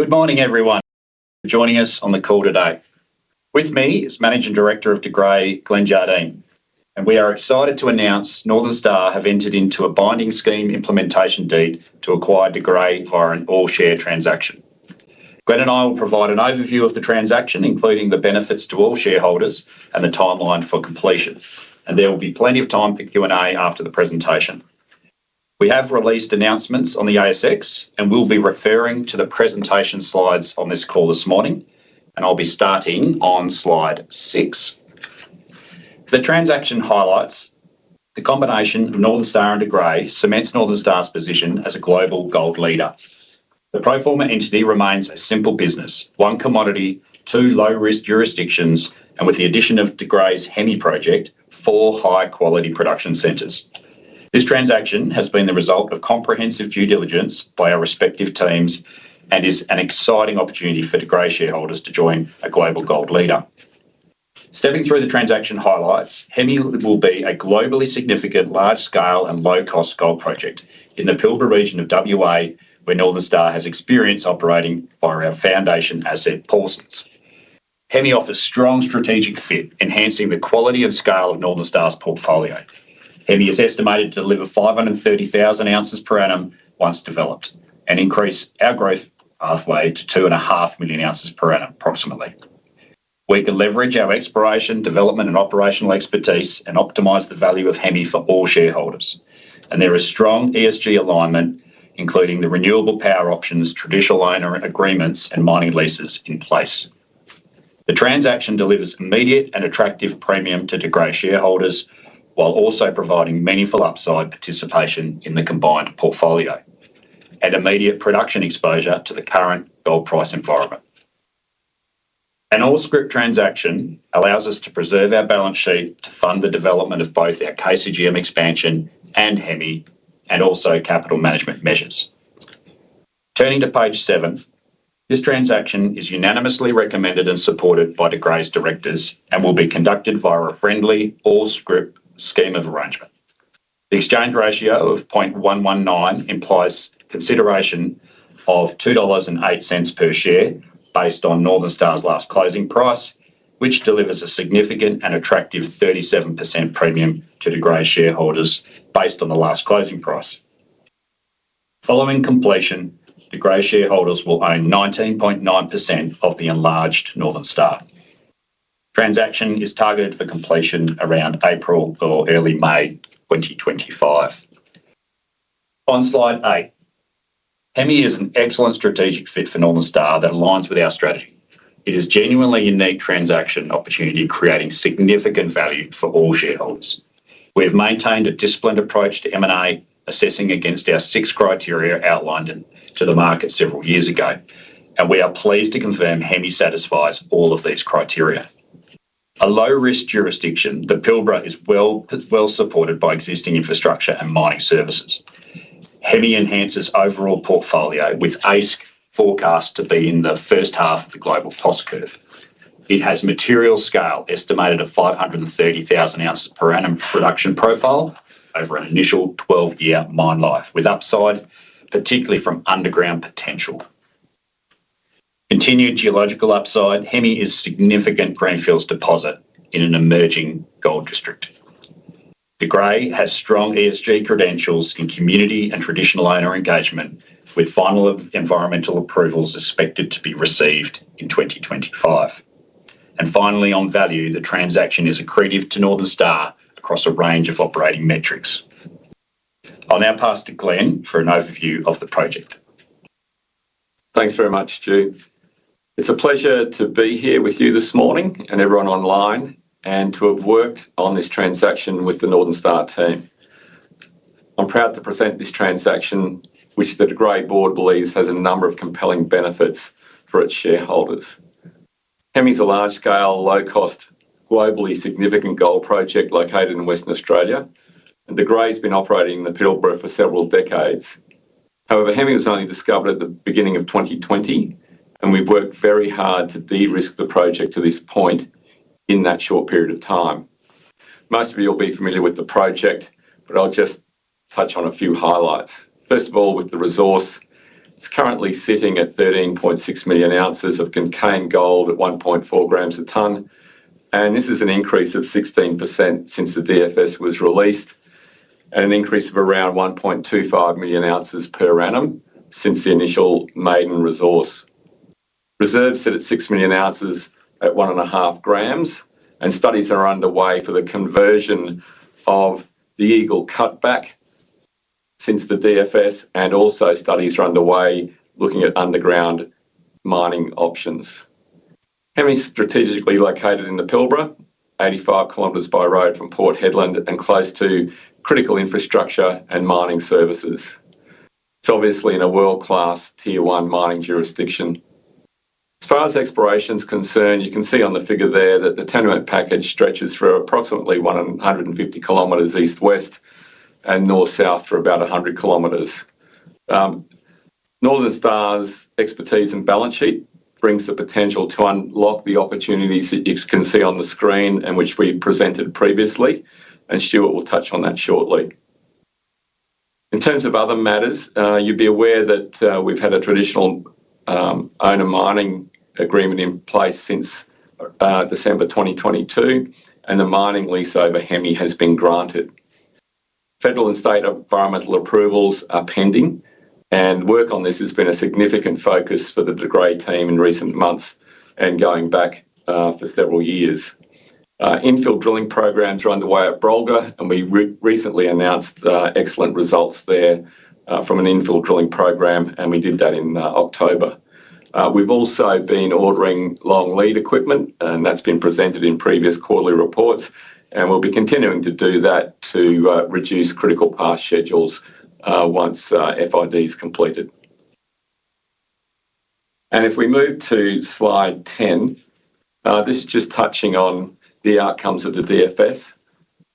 Good morning, everyone joining us on the call today. With me is Managing Director of De Grey, Glenn Jardine, and we are excited to annoz Northern Star have entered into a binding scheme implementation deed to acquire De Grey via an all-share transaction. Glenn and I will provide an overview of the transaction, including the benefits to all shareholders and the timeline for completion, and there will be plenty of time for Q&A after the presentation. We have released annozments on the ASX and will be referring to the presentation slides on this call this morning, and I'll be starting on slide six. The transaction highlights the combination of Northern Star and De Grey cements Northern Star's position as a global gold leader. The pro forma entity remains a simple business: one commodity, two low-risk jurisdictions, and with the addition of De Grey's Hemi project, four high-quality production centres. This transaction has been the result of comprehensive due diligence by our respective teams and is an exciting opportunity for De Grey shareholders to join a global gold leader. Stepping through the transaction highlights, Hemi will be a globally significant, large-scale, and low-cost gold project in the Pilbara region of WA, where Northern Star has experience operating via our foundation asset Paulsens. Hemi is estimated to deliver 530,000 oz per annum once developed and increase our growth pathway to 2.5 million oz per annum approximately. We can leverage our exploration, development, and operational expertise and optimize the value of Hemi for all shareholders, and there is strong ESG alignment, including the renewable power options, traditional owner agreements, and mining leases in place. The transaction delivers immediate and attractive premium to De Grey shareholders while also providing meaningful upside participation in the combined portfolio and immediate production exposure to the current gold price environment. An all-scrip transaction allows us to preserve our balance sheet to fund the development of both our KCGM expansion and Hemi, and also capital management measures. Turning to page seven, this transaction is unanimously recommended and supported by De Grey's directors and will be conducted via a friendly all-scrip scheme of arrangement. The exchange ratio of 0.119 implies consideration of 2.08 dollars per share based on Northern Star's last closing price, which delivers a significant and attractive 37% premium to De Grey shareholders based on the last closing price. Following completion, De Grey shareholders will own 19.9% of the enlarged Northern Star. The transaction is targeted for completion around April or early May 2025. On slide eight, Hemi is an excellent strategic fit for Northern Star that aligns with our strategy. It is genuinely a unique transaction opportunity, creating significant value for all shareholders. We have maintained a disciplined approach to M&A assessing against our six criteria outlined to the market several years ago, and we are pleased to confirm Hemi satisfies all of these criteria. A low-risk jurisdiction, the Pilbara is well supported by existing infrastructure and mining services. Hemi enhances overall portfolio with AISC forecast to be in the first half of the global cost curve. It has material scale estimated at 530,000 oz per annum production profile over an initial 12-year mine life with upside, particularly from underground potential. Continued geological upside. Hemi is a significant greenfields deposit in an emerging gold district. Grey has strong ESG credentials in community and traditional owner engagement, with final environmental approvals expected to be received in 2025. Finally, on value, the transaction is accretive to Northern Star across a range of operating metrics. I'll now pass to Glenn for an overview of the project. Thanks very much, Stu. It's a pleasure to be here with you this morning and everyone online and to have worked on this transaction with the Northern Star team. I'm proud to present this transaction, which the De Grey board believes has a number of compelling benefits for its shareholders. Hemi is a large-scale, low-cost, globally significant gold project located in Western Australia, and De Grey has been operating in the Pilbara for several decades. However, Hemi was only discovered at the beginning of 2020, and we've worked very hard to de-risk the project to this point in that short period of time. Most of you will be familiar with the project, but I'll just touch on a few highlights. First of all, with the resource, it's currently sitting at 13.6 million oz of contained gold at 1.4 g a tonne, and this is an increase of 16% since the DFS was released and an increase of around 1.25 million oz per annum since the initial maiden resource. Reserves sit at six million oz at 1.5 g, and studies are underway for the conversion of the Eagle cutback since the DFS, and also studies are underway looking at underground mining options. Hemi is strategically located in the Pilbara, 85 km by road from Port Hedland and close to critical infrastructure and mining services. It's obviously in a world-class Tier 1 mining jurisdiction. As far as exploration is concerned, you can see on the figure there that the tenure package stretches for approximately 150 km east-west and north-south for about 100 km. Northern Star's expertise and balance sheet brings the potential to unlock the opportunities that you can see on the screen and which we presented previously, and Stuart will touch on that shortly. In terms of other matters, you'd be aware that we've had a traditional owner mining agreement in place since December 2022, and the mining lease over Hemi has been granted. Federal and state environmental approvals are pending, and work on this has been a significant focus for the De Grey team in recent months and going back for several years. Infill drilling prog are underway at Brolga, and we recently annozd excellent results there from an infill drilling program, and we did that in October. We've also been ordering long lead equipment, and that's been presented in previous quarterly reports, and we'll be continuing to do that to reduce critical path schedules once FID is completed. If we move to slide 10, this is just touching on the outcomes of the DFS,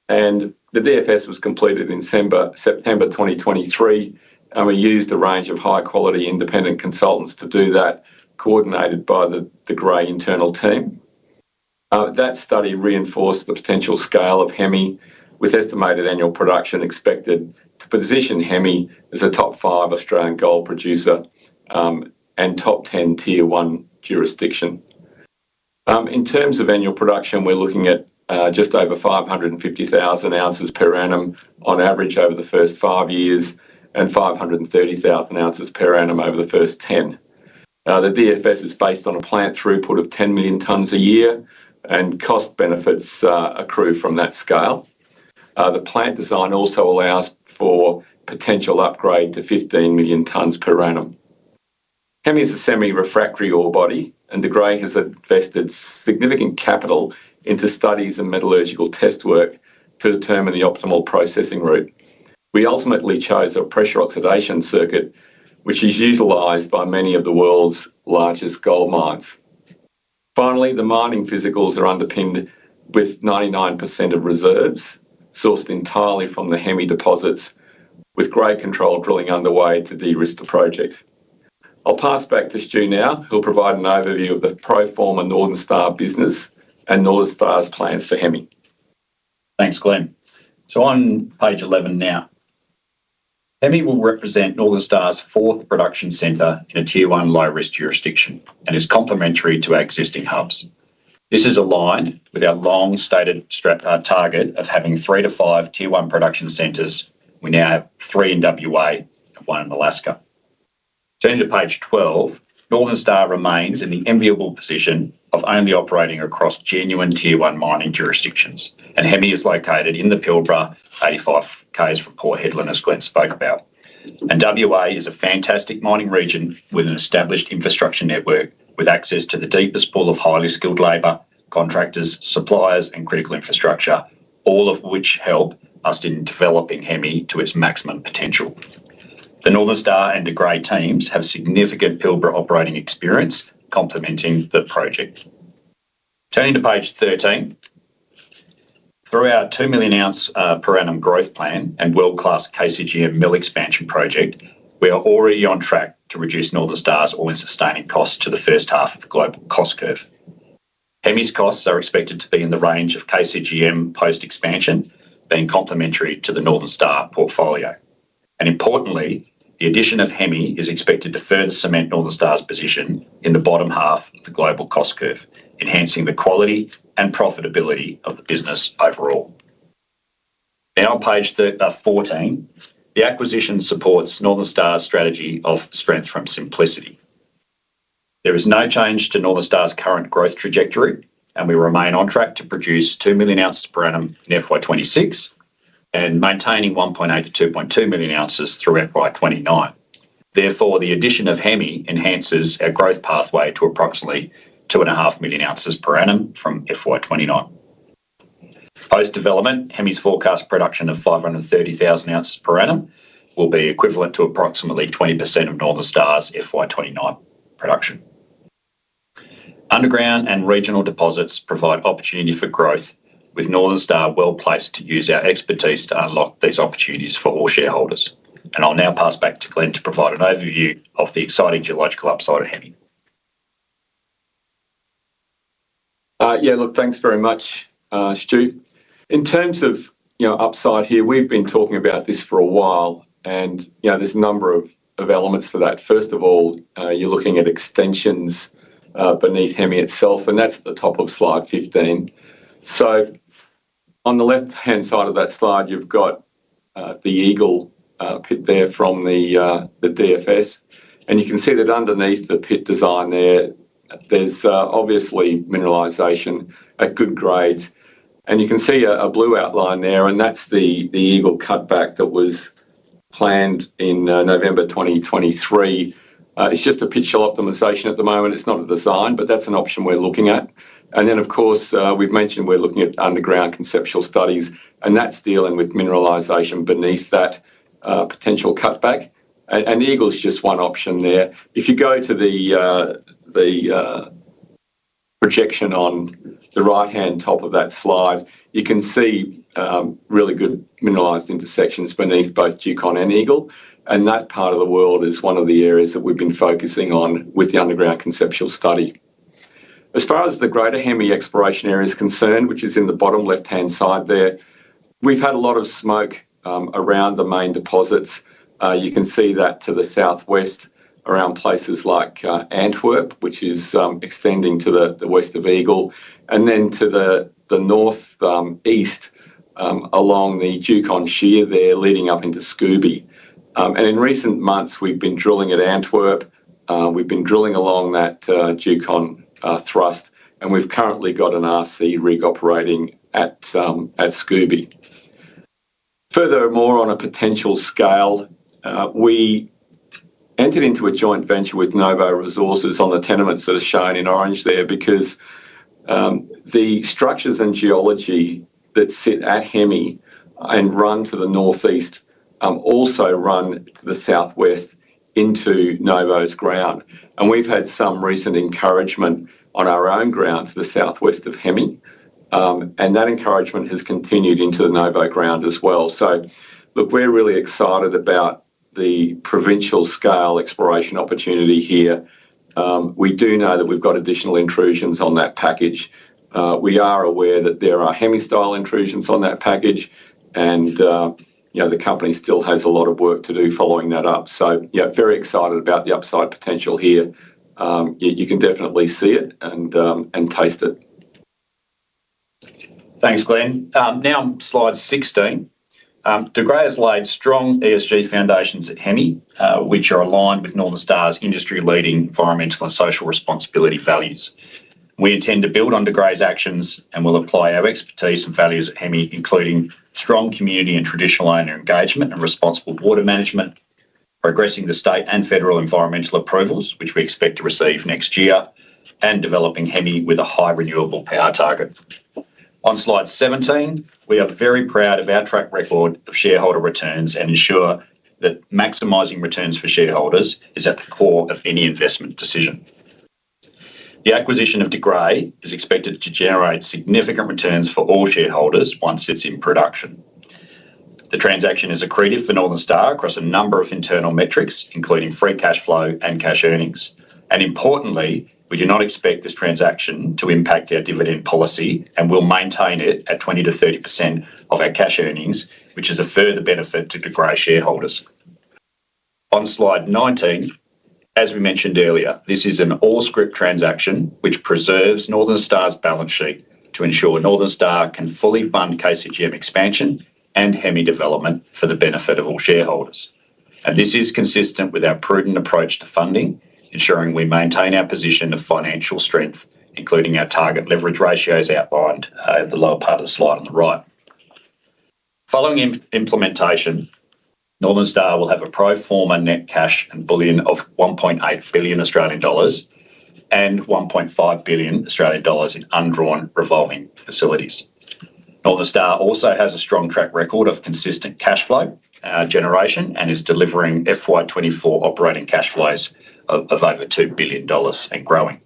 and the DFS was completed in September 2023, and we used a range of high-quality independent consultants to do that, coordinated by the De Grey internal team. That study reinforced the potential scale of Hemi, with estimated annual production expected to position Hemi as a top five Australian gold producer and top ten Tier 1 jurisdiction. In terms of annual production, we're looking at just over 550,000 oz per annum on average over the first five years and 530,000 oz per annum over the first ten. The DFS is based on a plant throughput of 10 million tons a year, and cost benefits accrue from that scale. The plant design also allows for potential upgrade to 15 million tons per annum. Hemi is a semi-refractory ore body, and De Grey has invested significant capital into studies and metallurgical test work to determine the optimal processing route. We ultimately chose a pressure oxidation circuit, which is utilized by many of the world's largest gold mines. Finally, the mining physicals are underpinned with 99% of reserves sourced entirely from the Hemi deposits, with great control drilling underway to de-risk the project. I'll pass back to Stu now. He'll provide an overview of the pro forma Northern Star business and Northern Star's plans for Hemi. Thanks, Glenn. So on page 11 now, Hemi will represent Northern Star's fourth production centre in a Tier 1 low-risk jurisdiction and is complementary to our existing hubs. This is aligned with our long-stated target of having three to five Tier 1 production centres. We now have three in WA and one in Alaska. Turning to page 12, Northern Star remains in the enviable position of only operating across genuine Tier 1 mining jurisdictions, and Hemi is located in the Pilbara, 85 km from Port Hedland as Glenn spoke about. And WA is a fantastic mining region with an established infrastructure network with access to the deepest pool of highly skilled labour, contractors, suppliers, and critical infrastructure, all of which help us in developing Hemi to its maximum potential. The Northern Star and De Grey teams have significant Pilbara operating experience complementing the project. Turning to page 13, through our 2 million oz per annum growth plan and world-class KCGM mill expansion project, we are already on track to reduce Northern Star's all-in sustaining costs to the first half of the global cost curve. Hemi's costs are expected to be in the range of KCGM post-expansion, being complementary to the Northern Star portfolio. And importantly, the addition of Hemi is expected to further cement Northern Star's position in the bottom half of the global cost curve, enhancing the quality and profitability of the business overall. Now on page 14, the acquisition supports Northern Star's strategy of strength from simplicity. There is no change to Northern Star's current growth trajectory, and we remain on track to produce 2 million oz per annum in FY 2026 and maintaining 1.8 million- 2.2 million oz through FY 2029. Therefore, the addition of Hemi enhances our growth pathway to approximately 2.5 million oz per annum from FY 2029. Post-development, Hemi's forecast production of 530,000 oz per annum will be equivalent to approximately 20% of Northern Star's FY 2029 production. Underground and regional deposits provide opportunity for growth, with Northern Star well placed to use our expertise to unlock these opportunities for all shareholders. And I'll now pass back to Glenn to provide an overview of the exciting geological upside of Hemi. Yeah, look, thanks very much, Stu. In terms of upside here, we've been talking about this for a while, and there's a number of elements to that. First of all, you're looking at extensions beneath Hemi itself, and that's at the top of slide 15. So on the left-hand side of that slide, you've got the Eagle pit there from the DFS, and you can see that underneath the pit design there, there's obviously mineralization at good grades. And you can see a blue outline there, and that's the Eagle cutback that was planned in November 2023. It's just a pit optimization at the moment. It's not a design, but that's an option we're looking at. And then, of course, we've mentioned we're looking at underground conceptual studies, and that's dealing with mineralization beneath that potential cutback. And the Eagle is just one option there. If you go to the projection on the right-hand top of that slide, you can see really good mineralized intersections beneath both Diucon and Eagle. That part of the world is one of the areas that we've been focusing on with the underground conceptual study. As far as the greater Hemi exploration area is concerned, which is in the bottom left-hand side there, we've had a lot of smoke around the main deposits. You can see that to the southwest around places like Antwerp, which is extending to the west of Eagle, and then to the northeast along the Diucon shear there leading up into Scooby. In recent months, we've been drilling at Antwerp. We've been drilling along that Diucon thrust, and we've currently got an RC rig operating at Scooby. Furthermore, on a potential scale, we entered into a joint venture with Novo Resources on the tenements that are shown in orange there because the structures and geology that sit at Hemi and run to the northeast also run to the southwest into Novo's ground. And we've had some recent encouragement on our own ground to the southwest of Hemi, and that encouragement has continued into the Novo ground as well. So look, we're really excited about the provincial scale exploration opportunity here. We do know that we've got additional intrusions on that package. We are aware that there are Hemi-style intrusions on that package, and the company still has a lot of work to do following that up. So yeah, very excited about the upside potential here. You can definitely see it and taste it. Thanks, Glenn. Now on slide 16, De Grey has laid strong ESG foundations at Hemi, which are aligned with Northern Star's industry-leading environmental and social responsibility values. We intend to build on De Grey's actions and will apply our expertise and values at Hemi, including strong community and traditional owner engagement and responsible water management, progressing the state and federal environmental approvals, which we expect to receive next year, and developing Hemi with a high renewable power target. On slide 17, we are very proud of our track record of shareholder returns and ensure that maximizing returns for shareholders is at the core of any investment decision. The acquisition of De Grey is expected to generate significant returns for all shareholders once it's in production. The transaction is accretive for Northern Star across a number of internal metrics, including free cash flow and cash earnings. Importantly, we do not expect this transaction to impact our dividend policy and will maintain it at 20%-30% of our cash earnings, which is a further benefit to De Grey shareholders. On slide 19, as we mentioned earlier, this is an all-scrip transaction which preserves Northern Star's balance sheet to ensure Northern Star can fully fund KCGM expansion and Hemi development for the benefit of all shareholders. This is consistent with our prudent approach to funding, ensuring we maintain our position of financial strength, including our target leverage ratios outlined at the lower part of the slide on the right. Following implementation, Northern Star will have a pro forma net cash and bullion of 1.8 billion Australian dollars and 1.5 billion Australian dollars in undrawn revolving facilities. Northern Star also has a strong track record of consistent cash flow generation and is delivering FY 2024 operating cash flows of over 2 billion dollars and growing.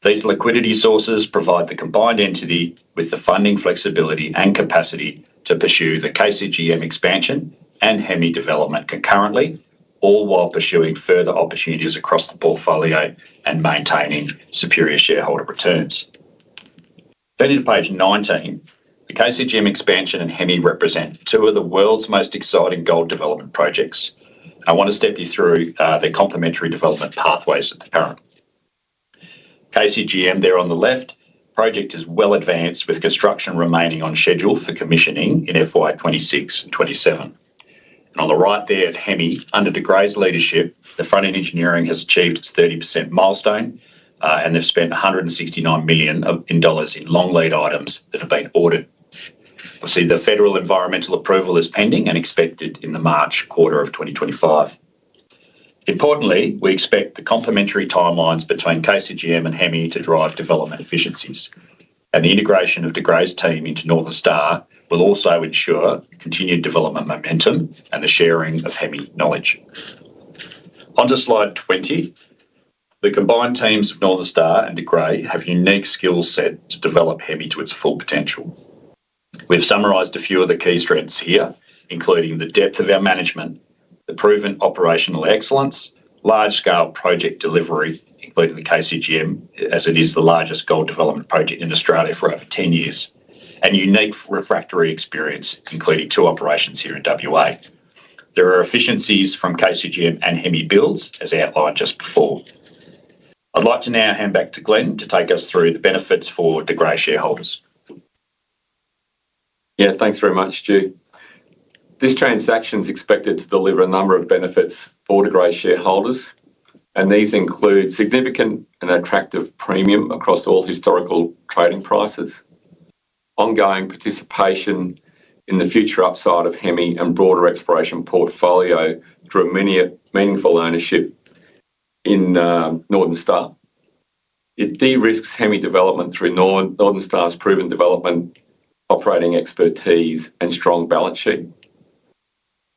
These liquidity sources provide the combined entity with the funding flexibility and capacity to pursue the KCGM expansion and Hemi development concurrently, all while pursuing further opportunities across the portfolio and maintaining superior shareholder returns. Turning to page 19, the KCGM expansion and Hemi represent two of the world's most exciting gold development projects. I want to step you through their complementary development pathways at the current KCGM there on the left. The project is well advanced with construction remaining on schedule for commissioning in FY 2026 and 2027. On the right there at Hemi, under De Grey's leadership, the front-end engineering has achieved its 30% milestone, and they've spent 169 million dollars in long lead items that have been ordered. Obviously, the federal environmental approval is pending and expected in the March quarter of 2025. Importantly, we expect the complementary timelines between KCGM and Hemi to drive development efficiencies. And the integration of De Grey's team into Northern Star will also ensure continued development momentum and the sharing of Hemi knowledge. Onto slide 20, the combined teams of Northern Star and De Grey have a unique skill set to develop Hemi to its full potential. We've summarised a few of the key strengths here, including the depth of our management, the proven operational excellence, large-scale project delivery, including the KCGM, as it is the largest gold development project in Australia for over 10 years, and unique refractory experience, including two operations here in WA. There are efficiencies from KCGM and Hemi builds, as outlined just before. I'd like to now hand back to Glenn to take us through the benefits for De Grey shareholders. Yeah, thanks very much, Stu. This transaction is expected to deliver a number of benefits for De Grey shareholders, and these include significant and attractive premium across all historical trading prices, ongoing participation in the future upside of Hemi, and broader exploration portfolio through meaningful ownership in Northern Star. It de-risks Hemi development through Northern Star's proven development, operating expertise, and strong balance sheet.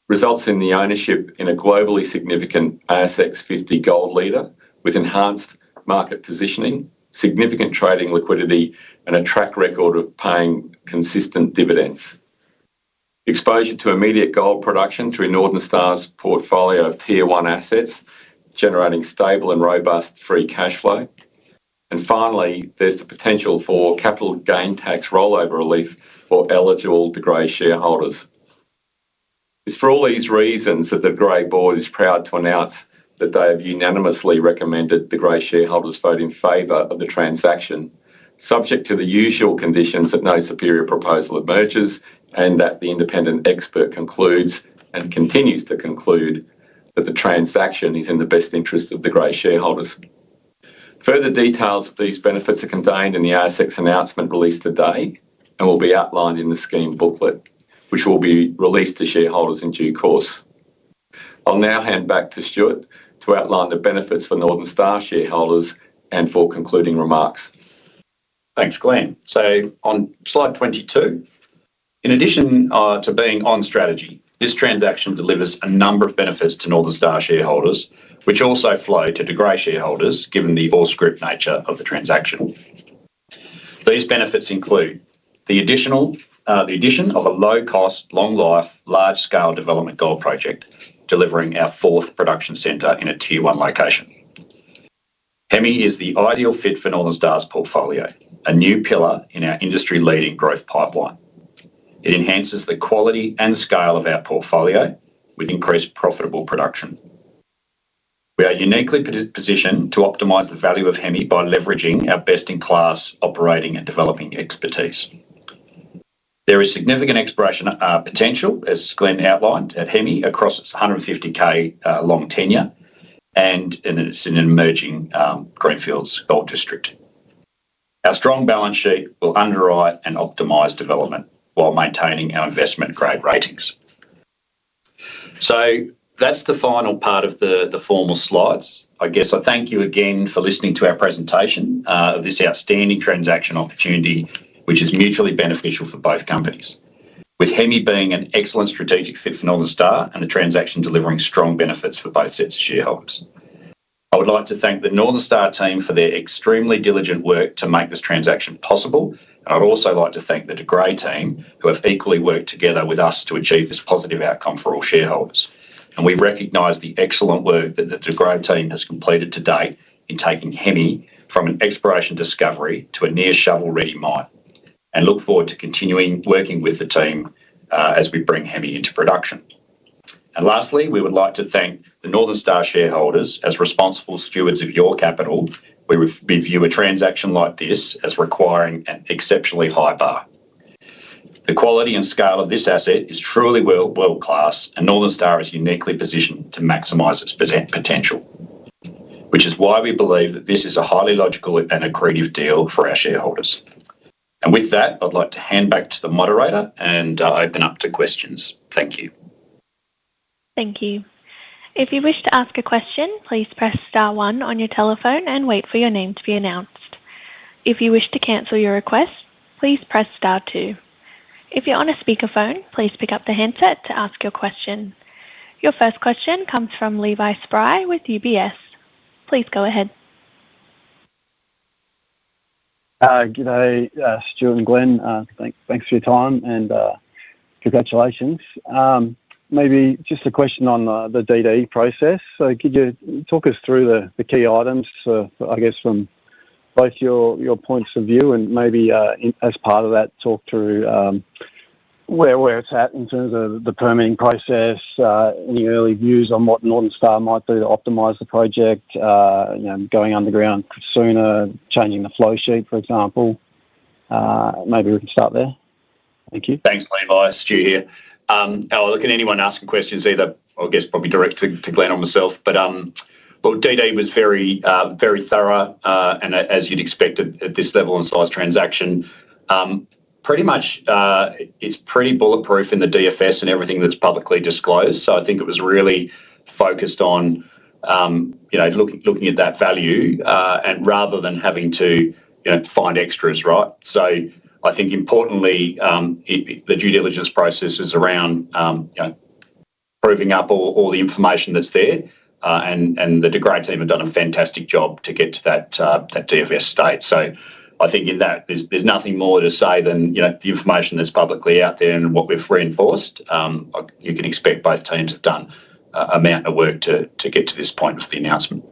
Results in the ownership in a globally significant ASX 50 gold leader with enhanced market positioning, significant trading liquidity, and a track record of paying consistent dividends. Exposure to immediate gold production through Northern Star's portfolio of Tier 1 assets, generating stable and robust free cash flow. And finally, there's the potential for capital gain tax rollover relief for eligible De Grey shareholders. It's for all these reasons that the De Grey board is proud to annoz that they have unanimously recommended De Grey shareholders vote in favor of the transaction, subject to the usual conditions that no superior proposal emerges and that the independent expert concludes and continues to conclude that the transaction is in the best interest of De Grey shareholders. Further details of these benefits are contained in the ASX announcement released today and will be outlined in the scheme booklet, which will be released to shareholders in due course. I'll now hand back to Stuart to outline the benefits for Northern Star shareholders and for concluding remarks. Thanks, Glenn. On slide 22, in addition to being on strategy, this transaction delivers a number of benefits to Northern Star shareholders, which also flow to De Grey shareholders given the all-scrip nature of the transaction. These benefits include the addition of a low-cost, long-life, large-scale development gold project delivering our fourth production centre in a Tier 1 location. Hemi is the ideal fit for Northern Star's portfolio, a new pillar in our industry-leading growth pipeline. It enhances the quality and scale of our portfolio with increased profitable production. We are uniquely positioned to optimize the value of Hemi by leveraging our best-in-class operating and developing expertise. There is significant exploration potential, as Glenn outlined, at Hemi across its 150K long tenement, and it's an emerging greenfields gold district. Our strong balance sheet will underwrite and optimize development while maintaining our investment-grade ratings. So that's the final part of the formal slides. I guess I thank you again for listening to our presentation of this outstanding transaction opportunity, which is mutually beneficial for both companies, with Hemi being an excellent strategic fit for Northern Star and the transaction delivering strong benefits for both sets of shareholders. I would like to thank the Northern Star team for their extremely diligent work to make this transaction possible. And I'd also like to thank the De Grey team who have equally worked together with us to achieve this positive outcome for all shareholders. And we recognise the excellent work that the De Grey team has completed to date in taking Hemi from an exploration discovery to a near shovel-ready mine. And look forward to continuing working with the team as we bring Hemi into production. Lastly, we would like to thank the Northern Star shareholders as responsible stewards of your capital with a transaction like this as requiring an exceptionally high bar. The quality and scale of this asset is truly world-class, and Northern Star is uniquely positioned to maximize its potential, which is why we believe that this is a highly logical and accretive deal for our shareholders. With that, I'd like to hand back to the moderator and open up to questions. Thank you. Thank you. If you wish to ask a question, please press star one on your telephone and wait for your name to be annozd. If you wish to cancel your request, please press star two. If you're on a speakerphone, please pick up the handset to ask your question. Your first question comes from Levi Spry with UBS. Please go ahead. Good day, Stuart and Glenn. Thanks for your time and congratulations. Maybe just a question on the DD process. So could you talk us through the key items, I guess, from both your points of view and maybe as part of that, talk through where it's at in terms of the permitting process, any early views on what Northern Star might do to optimise the project, going underground sooner, changing the flow sheet, for example? Maybe we can start there. Thank you. Thanks, Levi. Stu here. I'll look at anyone asking questions either, I guess, probably direct to Glenn or myself. But DD was very thorough, and as you'd expect at this level and size transaction, pretty much it's pretty bulletproof in the DFS and everything that's publicly disclosed. So I think it was really focused on looking at that value rather than having to find extras, right? So I think importantly, the due diligence process is around proving up all the information that's there, and the De Grey team have done a fantastic job to get to that DFS state. So I think in that, there's nothing more to say than the information that's publicly out there and what we've reinforced. You can expect both teams have done an amount of work to get to this point of the annozment.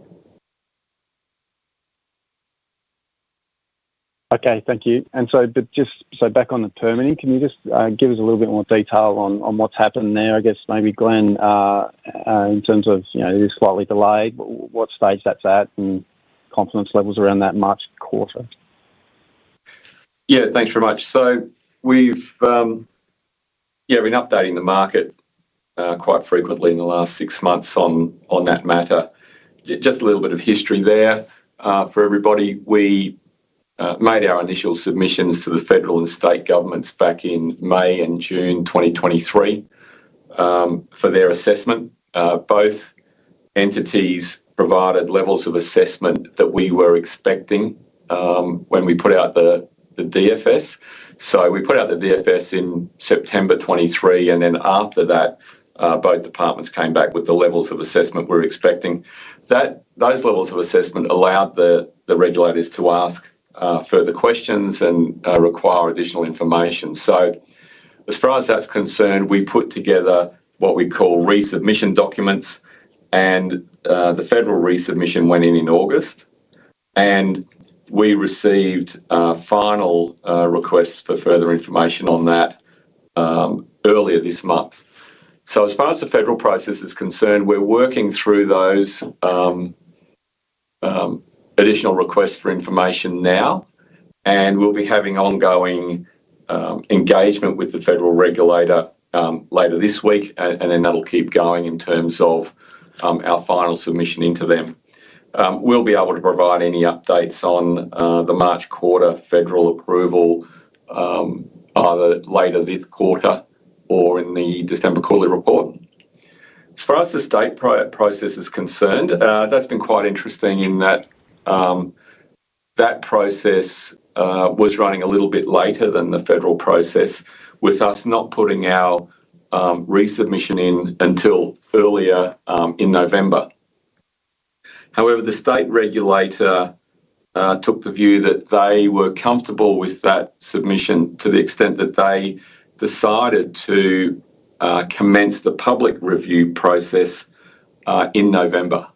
Okay, thank you. And so back on the permitting, can you just give us a little bit more detail on what's happened there? I guess maybe Glenn, in terms of it is slightly delayed, what stage that's at and confidence levels around that March quarter? Yeah, thanks very much. So we've been updating the market quite frequently in the last six months on that matter. Just a little bit of history there for everybody. We made our initial submissions to the federal and state governments back in May and June 2023 for their assessment. Both entities provided levels of assessment that we were expecting when we put out the DFS. So we put out the DFS in September 2023, and then after that, both departments came back with the levels of assessment we were expecting. Those levels of assessment allowed the regulators to ask further questions and require additional information. So as far as that's concerned, we put together what we call resubmission documents, and the federal resubmission went in in August, and we received final requests for further information on that earlier this month. So as far as the federal process is concerned, we're working through those additional requests for information now, and we'll be having ongoing engagement with the federal regulator later this week, and then that'll keep going in terms of our final submission into them. We'll be able to provide any updates on the March quarter federal approval either later this quarter or in the December quarterly report. As far as the state process is concerned, that's been quite interesting in that that process was running a little bit later than the federal process with us not putting our resubmission in until earlier in November. However, the state regulator took the view that they were comfortable with that submission to the extent that they decided to commence the public review process in November.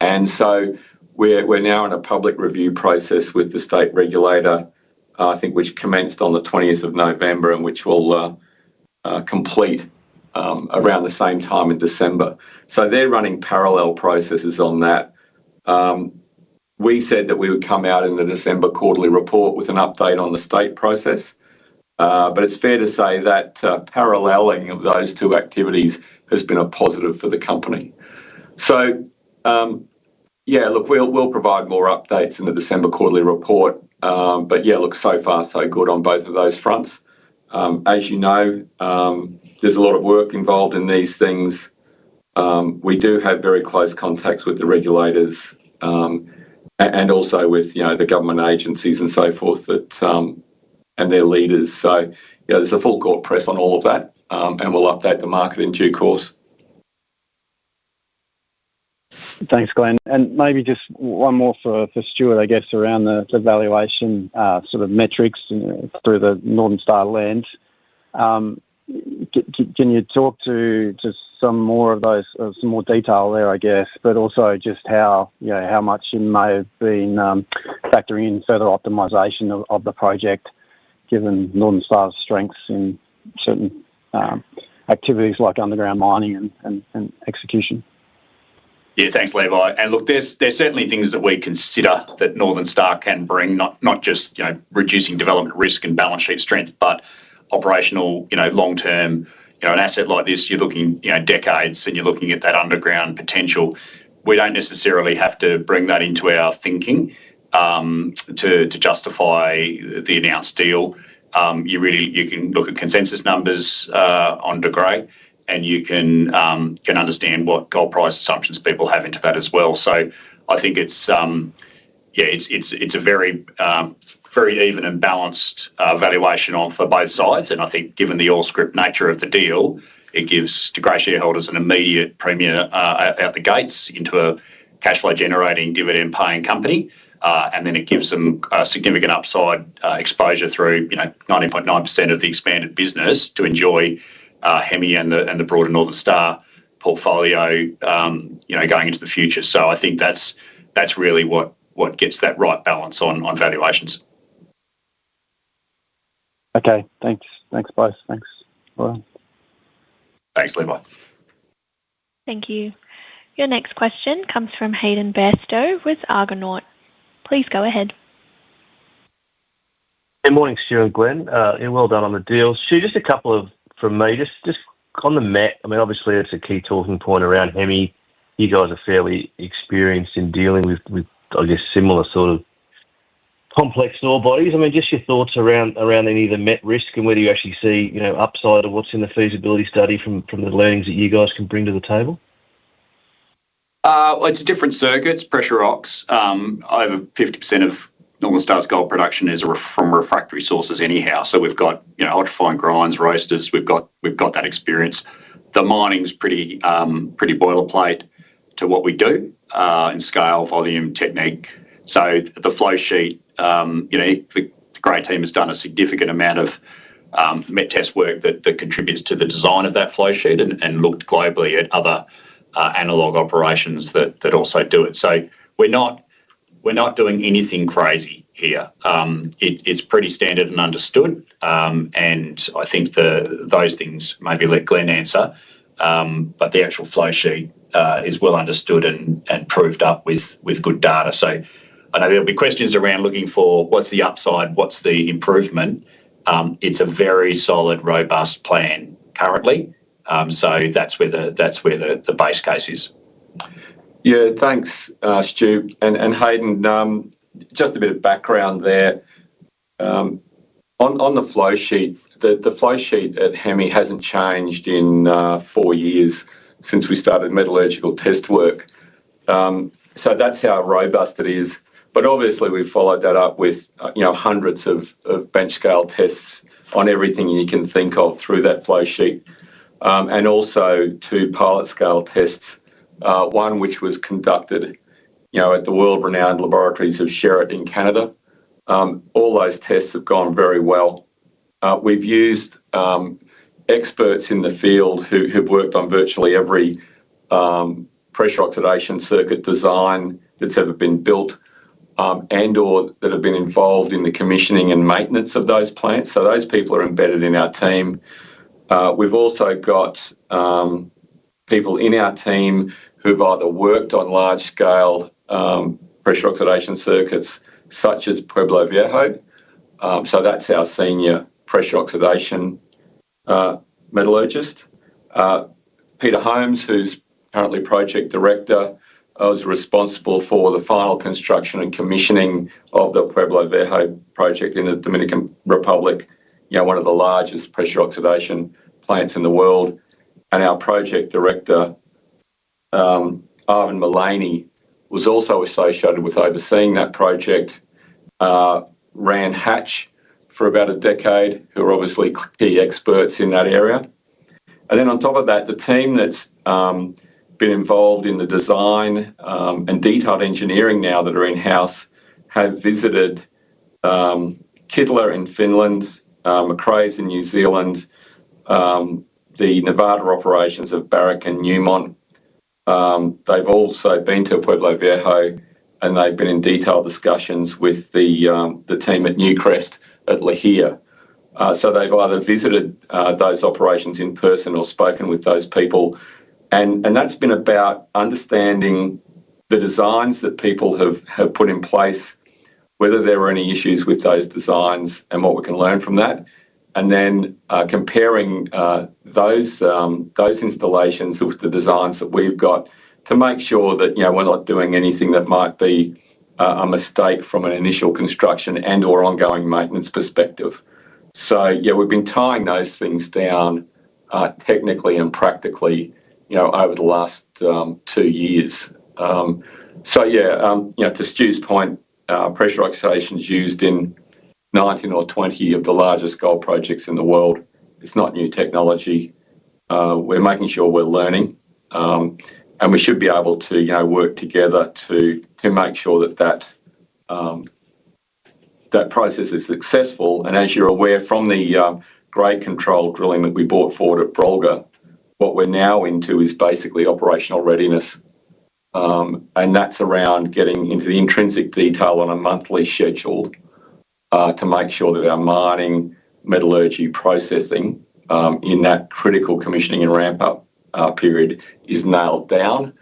And so we're now in a public review process with the state regulator, I think, which commenced on the 20th of November and which will complete around the same time in December. So they're running parallel processes on that. We said that we would come out in the December quarterly report with an update on the state process, but it's fair to say that paralleling of those two activities has been a positive for the company. So yeah, look, we'll provide more updates in the December quarterly report, but yeah, look, so far, so good on both of those fronts. As you know, there's a lot of work involved in these things. We do have very close contacts with the regulators and also with the government agencies and so forth and their leaders. So there's a full court press on all of that, and we'll update the market in due course. Thanks, Glenn. And maybe just one more for Stuart, I guess, around the valuation sort of metrics through the Northern Star lens. Can you talk to some more of those, some more detail there, I guess, but also just how much it may have been factoring in further optimization of the project given Northern Star's strengths in certain activities like underground mining and execution? Yeah, thanks, Levi. And look, there's certainly things that we consider that Northern Star can bring, not just reducing development risk and balance sheet strength, but operational long-term. An asset like this, you're looking decades, and you're looking at that underground potential. We don't necessarily have to bring that into our thinking to justify the annozd deal. You can look at consensus numbers on De Grey, and you can understand what gold price assumptions people have into that as well. So I think it's a very even and balanced valuation for both sides. And I think given the all-scrip nature of the deal, it gives De Grey shareholders an immediate premier out the gates into a cash flow-generating, dividend-paying company. And then it gives them significant upside exposure through 90.9% of the expanded business to enjoy Hemi and the broader Northern Star portfolio going into the future. So I think that's really what gets that right balance on valuations. Okay, thanks. Thanks, both. Thanks. Thanks, Levi. Thank you. Your next question comes from Hayden Bairstow with Argonaut. Please go ahead. Good morning, Stuart and Glenn. Well done on the deal. Stuart, just a couple from me. Just on the met, I mean, obviously, it's a key talking point around Hemi. You guys are fairly experienced in dealing with, I guess, similar sort of complex ore bodies. I mean, just your thoughts around any of the met risk and whether you actually see upside or what's in the feasibility study from the learnings that you guys can bring to the table? It's a different circuit. It's pressure ox. Over 50% of Northern Star's gold production is from refractory sources anyhow. So we've got ultrafine grinds, roasters. We've got that experience. The mining's pretty boilerplate to what we do in scale, volume, technique. So the flow sheet, the great team has done a significant amount of met test work that contributes to the design of that flow sheet and looked globally at other analog operations that also do it. So we're not doing anything crazy here. It's pretty standard and understood. And I think those things maybe let Glenn answer, but the actual flow sheet is well understood and proved up with good data. So I know there'll be questions around looking for what's the upside, what's the improvement. It's a very solid, robust plan currently. So that's where the base case is. Yeah, thanks, Stuart. And Hayden, just a bit of background there. On the flow sheet, the flow sheet at Hemi hasn't changed in four years since we started metallurgical test work. So that's how robust it is. But obviously, we've followed that up with hundreds of bench scale tests on everything you can think of through that flow sheet. And also two pilot scale tests, one which was conducted at the world-renowned laboratories of Sherritt in Canada. All those tests have gone very well. We've used experts in the field who've worked on virtually every pressure oxidation circuit design that's ever been built and/or that have been involved in the commissioning and maintenance of those plants. So those people are embedded in our team. We've also got people in our team who've either worked on large-scale pressure oxidation circuits such as Pueblo Viejo. So that's our senior pressure oxidation metallurgist. Peter Holmes, who's currently Project Director, was responsible for the final construction and commissioning of the Pueblo Viejo project in the Dominican Republic, one of the largest pressure oxidation plants in the world. And our Project Director, Allan Mullany, was also associated with overseeing that project, ran Hatch for about a decade, who are obviously key experts in that area. And then on top of that, the team that's been involved in the design and detailed engineering now that are in-house have visited Kittilä in Finland, Macraes in New Zealand, the Nevada operations of Barrick and Newmont. They've also been to Pueblo Viejo, and they've been in detailed discussions with the team at Newcrest at Lihir. So they've either visited those operations in person or spoken with those people. That's been about understanding the designs that people have put in place, whether there are any issues with those designs and what we can learn from that, and then comparing those installations with the designs that we've got to make sure that we're not doing anything that might be a mistake from an initial construction and/or ongoing maintenance perspective. So yeah, we've been tying those things down technically and practically over the last two years. So yeah, to Stu's point, pressure oxidation is used in 19 or 20 of the largest gold projects in the world. It's not new technology. We're making sure we're learning, and we should be able to work together to make sure that that process is successful. And as you're aware, from the grade control drilling that we bought for it at Brolga, what we're now into is basically operational readiness. That's around getting into the intrinsic detail on a monthly schedule to make sure that our mining, metallurgy processing in that critical commissioning and ramp-up period is nailed down.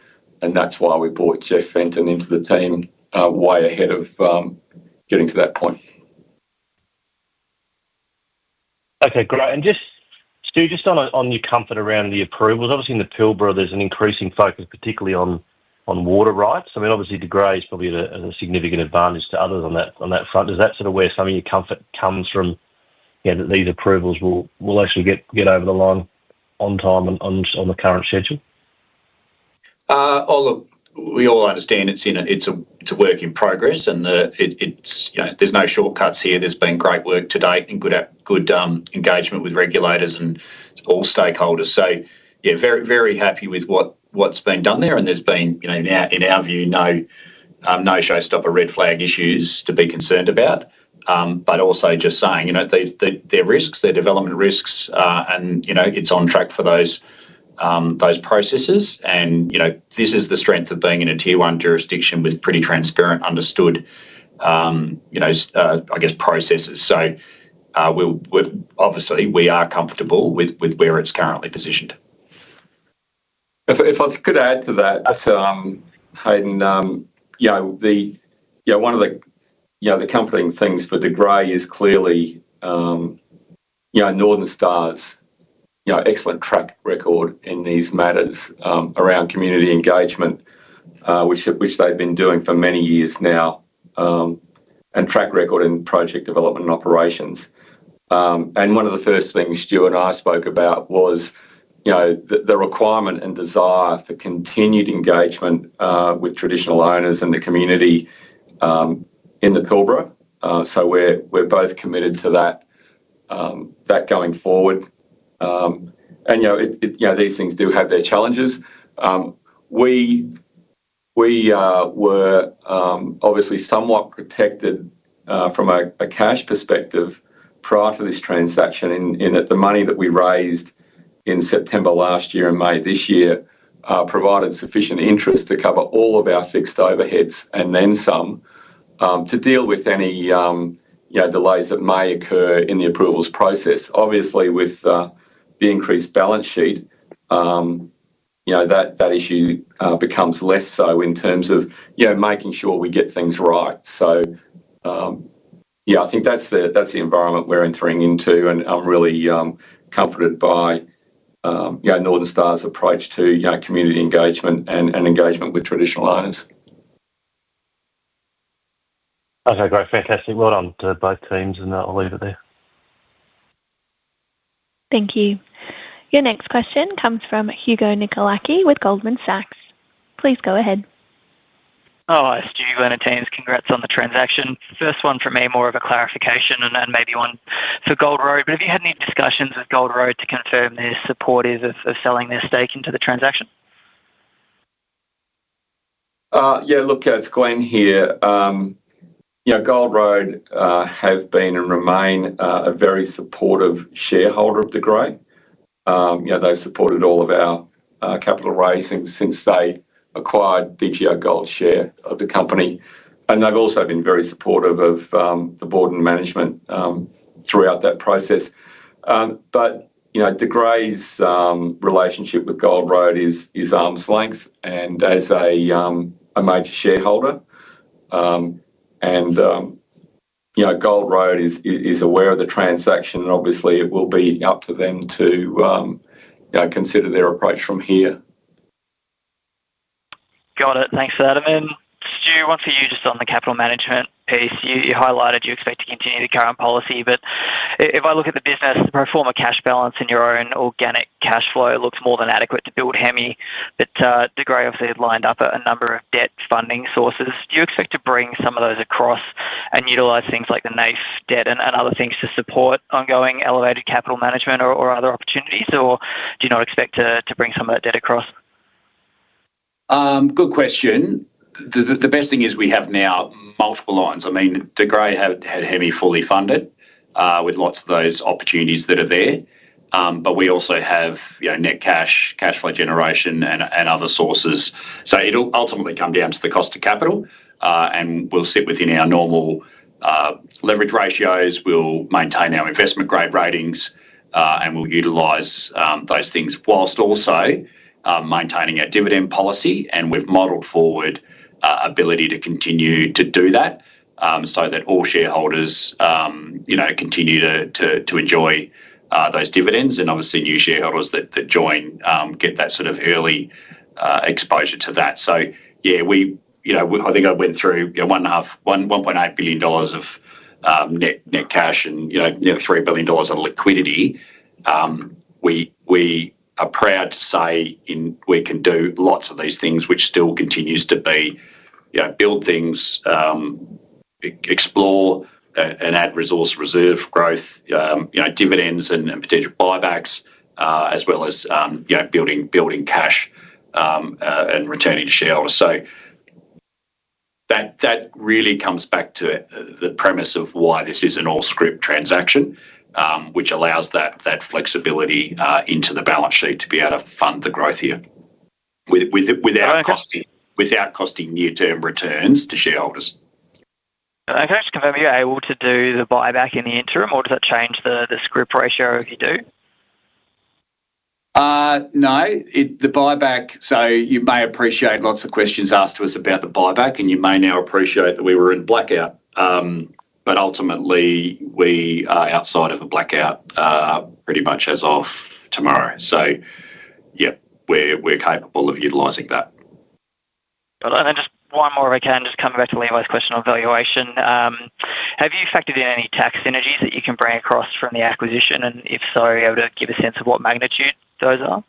That's why we brought Geoff Fenton into the team way ahead of getting to that point. Okay, great. And Stuart, just on your comfort around the approvals, obviously in the Pilbara there's an increasing focus, particularly on water rights. I mean, obviously, De Grey is probably at a significant advantage to others on that front. Is that sort of where some of your comfort comes from, that these approvals will actually get over the line on time and on the current schedule? Well, look, we all understand it's a work in progress, and there's no shortcuts here. There's been great work to date and good engagement with regulators and all stakeholders. So yeah, very happy with what's been done there. And there's been, in our view, no showstopper, red flag issues to be concerned about. But also just saying there are risks, there are development risks, and it's on track for those processes. And this is the strength of being in a Tier 1 jurisdiction with pretty transparent, understood, I guess, processes. So obviously, we are comfortable with where it's currently positioned. If I could add to that, Hayden, yeah, one of the compelling things for De Grey is clearly Northern Star's excellent track record in these matters around community engagement, which they've been doing for many years now, and track record in project development operations. And one of the first things Stuart and I spoke about was the requirement and desire for continued engagement with traditional owners and the community in the Pilbara. So we're both committed to that going forward. And these things do have their challenges. We were obviously somewhat protected from a cash perspective prior to this transaction in that the money that we raised in September last year and May this year provided sufficient interest to cover all of our fixed overheads and then some to deal with any delays that may occur in the approvals process. Obviously, with the increased balance sheet, that issue becomes less so in terms of making sure we get things right. So yeah, I think that's the environment we're entering into, and I'm really comforted by Northern Star's approach to community engagement and engagement with traditional owners. Okay, great. Fantastic. Well done to both teams, and I'll leave it there. Thank you. Your next question comes from Hugo Nicolaci with Goldman Sachs. Please go ahead. Hi, Stuart. Glenn at Teams. Congrats on the transaction. First one for me, more of a clarification and then maybe one for Gold Road. But have you had any discussions with Gold Road to confirm their support of selling their stake into the transaction? Yeah, look, it's Glenn here. Gold Road has been and remains a very supportive shareholder of De Grey. They've supported all of our capital raising since they acquired DGO Gold's share of the company. And they've also been very supportive of the board and management throughout that process. But De Grey's relationship with Gold Road is arm's length and as a major shareholder. And Gold Road is aware of the transaction, and obviously, it will be up to them to consider their approach from here. Got it. Thanks for that. And then, Stuart, once again, you just on the capital management piece, you highlighted you expect to continue the current policy. But if I look at the business, the pro forma cash balance in your own organic cash flow looks more than adequate to build Hemi. But De Grey obviously has lined up a number of debt funding sources. Do you expect to bring some of those across and utilize things like the NAIF debt and other things to support ongoing elevated capital management or other opportunities? Or do you not expect to bring some of that debt across? Good question. The best thing is we have now multiple lines. I mean, De Grey had Hemi fully funded with lots of those opportunities that are there. But we also have net cash, cash flow generation, and other sources. So it'll ultimately come down to the cost of capital. And we'll sit within our normal leverage ratios. We'll maintain our investment grade ratings, and we'll utilize those things while also maintaining our dividend policy. And we've modelled forward the ability to continue to do that so that all shareholders continue to enjoy those dividends. And obviously, new shareholders that join get that sort of early exposure to that. So yeah, I think I went through 1.8 billion dollars of net cash and 3 billion dollars of liquidity. We are proud to say we can do lots of these things, which still continues to be build things, explore, and add resource reserve growth, dividends, and potential buybacks, as well as building cash and returning to shareholders, so that really comes back to the premise of why this is an all-scrip transaction, which allows that flexibility into the balance sheet to be able to fund the growth here without costing near-term returns to shareholders. Okay. So can you be able to do the buyback in the interim, or does that change the scrip ratio if you do? No. So you may appreciate lots of questions asked to us about the buyback, and you may now appreciate that we were in blackout. But ultimately, we are outside of a blackout pretty much as of tomorrow. So yeah, we're capable of utilizing that. Got it. And then just one more if I can, just coming back to Leon's question on valuation. Have you factored in any tax synergies that you can bring across from the acquisition? And if so, are you able to give a sense of what magnitude those are?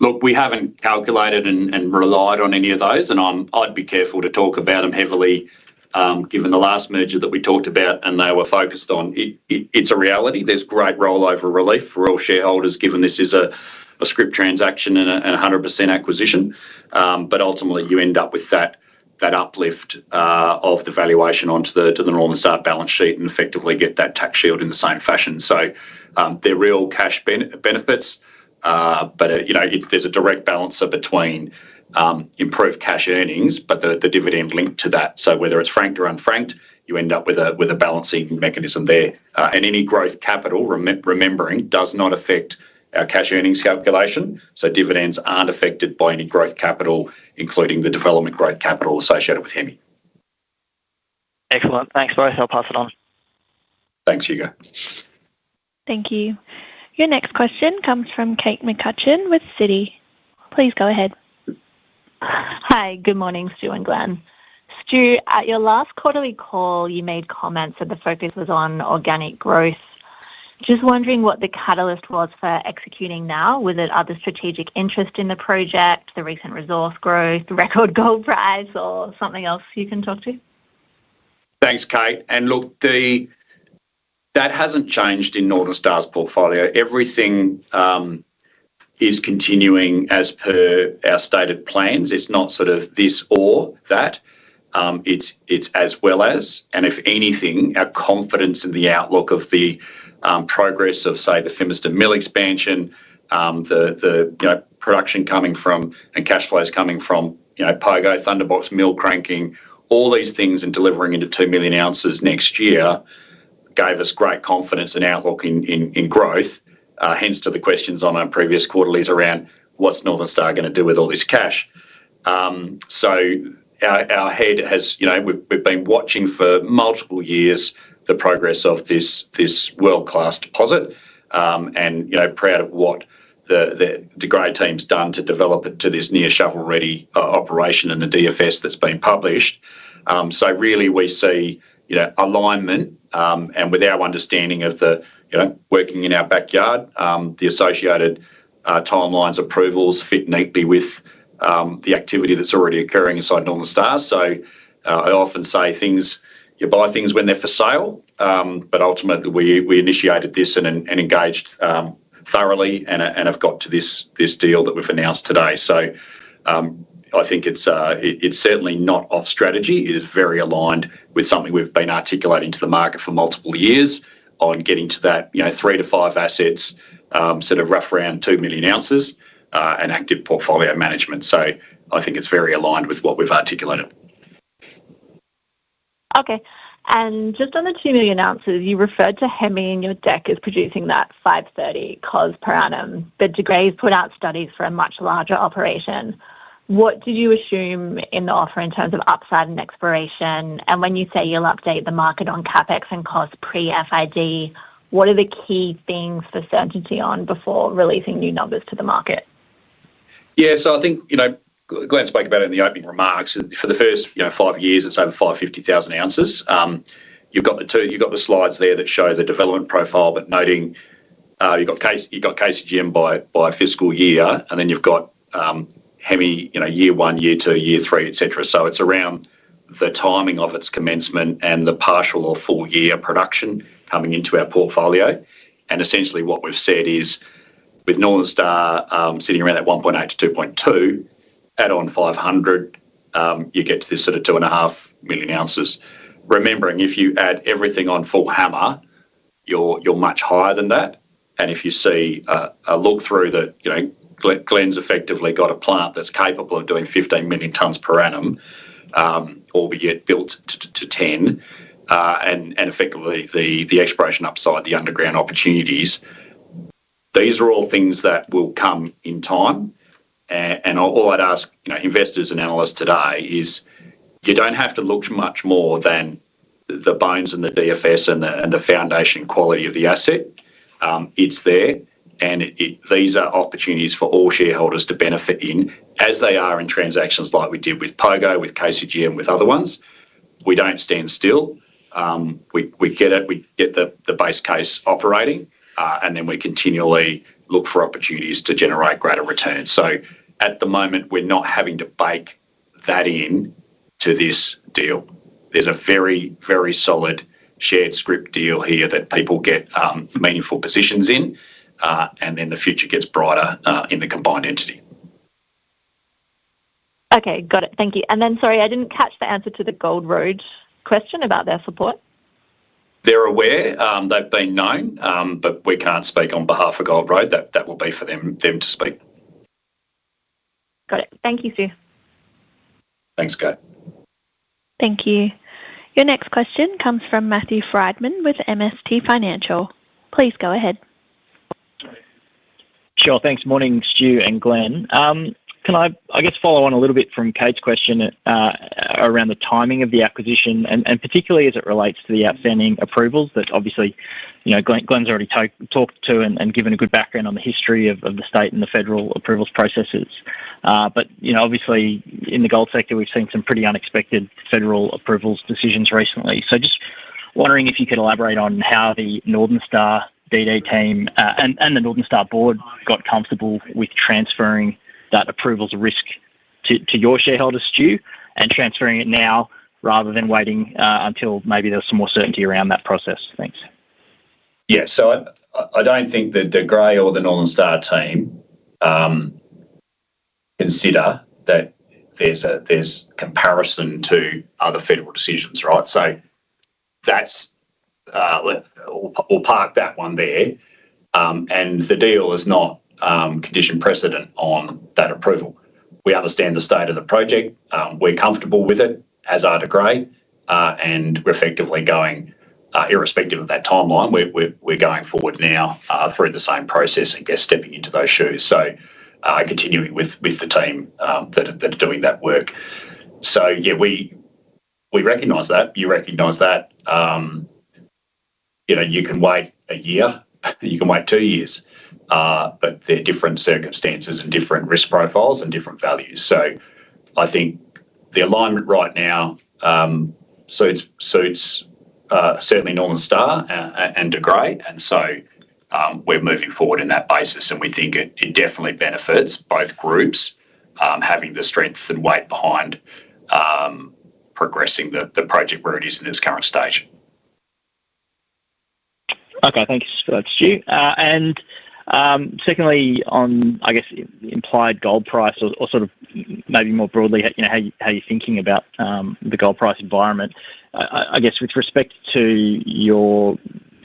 Look, we haven't calculated and relied on any of those. I'd be careful to talk about them heavily given the last merger that we talked about and they were focused on. It's a reality. There's great rollover relief for all shareholders given this is a scrip transaction and 100% acquisition. But ultimately, you end up with that uplift of the valuation onto the Northern Star balance sheet and effectively get that tax shield in the same fashion. So there are real cash benefits. But there's a direct balancer between improved cash earnings, but the dividend linked to that. So whether it's franked or unfranked, you end up with a balancing mechanism there. And any growth capital, remembering, does not affect our cash earnings calculation. So dividends aren't affected by any growth capital, including the development growth capital associated with Hemi. Excellent. Thanks both. I'll pass it on. Thanks, Hugo. Thank you. Your next question comes from Kate McCutcheon with Citi. Please go ahead. Hi, good morning, Stu and Glenn. Stu, at your last quarterly call, you made comments that the focus was on organic growth. Just wondering what the catalyst was for executing now? Was it other strategic interest in the project, the recent resource growth, the record gold price, or something else you can talk to? Thanks, Kate. And look, that hasn't changed in Northern Star's portfolio. Everything is continuing as per our stated plans. It's not sort of this or that. It's as well as. And if anything, our confidence in the outlook of the progress of, say, the Fimiston Mill expansion, the production coming from and cash flows coming from Pogo, Thunderbox Mill cranking, all these things and delivering into 2 million oz next year gave us great confidence and outlook in growth. Hence to the questions on our previous quarterlies around what's Northern Star going to do with all this cash. So our heads have been watching for multiple years the progress of this world-class deposit and proud of what the De Grey team's done to develop it to this near shovel-ready operation and the DFS that's been published. So really, we see alignment. With our understanding of the working in our backyard, the associated timelines, approvals fit neatly with the activity that's already occurring inside Northern Star. So I often say things you buy things when they're for sale. But ultimately, we initiated this and engaged thoroughly and have got to this deal that we've annozd today. So I think it's certainly not off strategy. It is very aligned with something we've been articulating to the market for multiple years on getting to that three to five assets, sort of rough around 2 million oz, and active portfolio management. So I think it's very aligned with what we've articulated. Okay. And just on the 2 million oz, you referred to Hemi in your deck as producing that 530 cost per annum. But De Grey's put out studies for a much larger operation. What did you assume in the offer in terms of upside and exploration? And when you say you'll update the market on CapEx and cost pre-FID, what are the key things for certainty on before releasing new numbers to the market? Yeah. So I think Glenn spoke about it in the opening remarks. For the first five years, it's over 550,000 oz. You've got the slides there that show the development profile, but noting you've got KCGM by fiscal year, and then you've got Hemi year one, year two, year three, etc. So it's around the timing of its commencement and the partial or full year production coming into our portfolio. And essentially, what we've said is with Northern Star sitting around that 1.8-2.2, add on 500, you get to this sort of 2.5 million oz. Remembering, if you add everything on full Hemi, you're much higher than that. And if you take a look through that, Glenn's effectively got a plant that's capable of doing 15 million tonnes per annum once we get built to 10. And effectively the expansion upside, the underground opportunities, these are all things that will come in time. And all I'd ask investors and analysts today is you don't have to look much more than the bones and the DFS and the foundation quality of the asset. It's there. And these are opportunities for all shareholders to benefit from as they are in transactions like we did with Pogo, with KCGM, with other ones. We don't stand still. We get it. We get the base case operating. And then we continually look for opportunities to generate greater returns. So at the moment, we're not having to bake that into this deal. There's a very, very solid all-scrip deal here that people get meaningful positions in. And then the future gets brighter in the combined entity. Okay. Got it. Thank you. And then, sorry, I didn't catch the answer to the Gold Road question about their support. They're aware. They've been known, but we can't speak on behalf of Gold Road. That will be for them to speak. Got it. Thank you, Stu. Thanks, Kate. Thank you. Your next question comes from Matthew Frydman with MST Financial. Please go ahead. Sure. Thanks. Morning, Stu and Glenn. Can I, I guess, follow on a little bit from Kate's question around the timing of the acquisition and particularly as it relates to the outstanding approvals that obviously Glenn's already talked to and given a good background on the history of the state and the federal approvals processes. But obviously, in the gold sector, we've seen some pretty unexpected federal approvals decisions recently. So just wondering if you could elaborate on how the Northern Star DD team and the Northern Star board got comfortable with transferring that approvals risk to your shareholder, Stu, and transferring it now rather than waiting until maybe there's some more certainty around that process. Thanks. Yeah. So I don't think that De Grey or the Northern Star team consider that there's comparison to other federal decisions, right? So we'll park that one there. And the deal is not condition precedent on that approval. We understand the state of the project. We're comfortable with it as are De Grey. And we're effectively going, irrespective of that timeline, we're going forward now through the same process and just stepping into those shoes. So continuing with the team that are doing that work. So yeah, we recognize that. You recognize that. You can wait a year. You can wait two years. But they're different circumstances and different risk profiles and different values. So I think the alignment right now suits certainly Northern Star and De Grey. And so we're moving forward on that basis. We think it definitely benefits both groups having the strength and weight behind progressing the project where it is in its current stage. Okay. Thanks for that, Stu. And secondly, on, I guess, implied gold price or sort of maybe more broadly, how you're thinking about the gold price environment, I guess with respect to your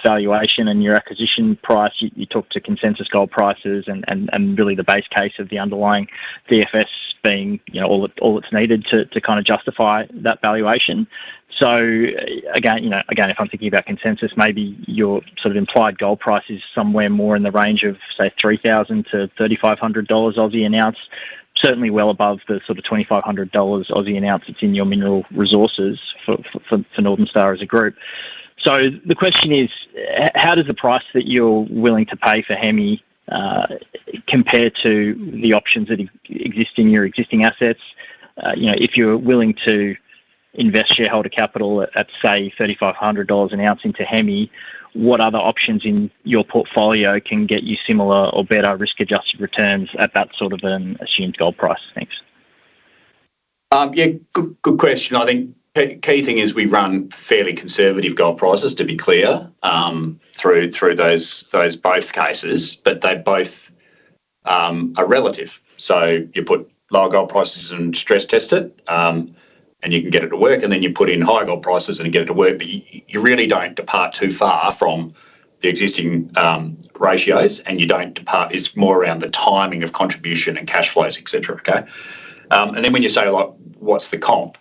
valuation and your acquisition price, you talked to consensus gold prices and really the base case of the underlying DFS being all it's needed to kind of justify that valuation. So again, if I'm thinking about consensus, maybe your sort of implied gold price is somewhere more in the range of, say, 3,000-3,500 dollars an oz, certainly well above the sort of 2,500 dollars an oz that's in your mineral resources for Northern Star as a group. So the question is, how does the price that you're willing to pay for Hemi compare to the options that exist in your existing assets? If you're willing to invest shareholder capital at, say, $3,500 an oz into Hemi, what other options in your portfolio can get you similar or better risk-adjusted returns at that sort of an assumed gold price? Thanks. Yeah. Good question. I think the key thing is we run fairly conservative gold prices, to be clear, through those both cases. But they both are relative. So you put low gold prices and stress test it, and you can get it to work. And then you put in high gold prices and get it to work. But you really don't depart too far from the existing ratios. And you don't depart. It's more around the timing of contribution and cash flows, etc., okay? And then when you say, "What's the comp?"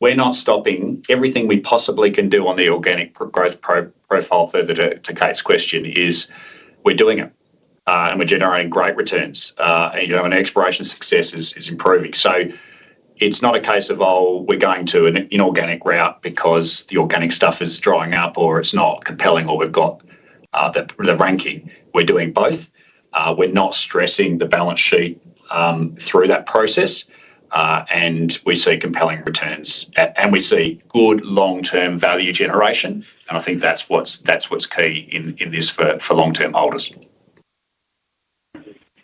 Well, we're not stopping. Everything we possibly can do on the organic growth profile, further to Kate's question, is we're doing it. And we're generating great returns. And exploration success is improving. So it's not a case of, "Oh, we're going to an inorganic route because the organic stuff is drying up or it's not compelling or we've got the ranking." We're doing both. We're not stressing the balance sheet through that process. And we see compelling returns. And we see good long-term value generation. And I think that's what's key in this for long-term holders.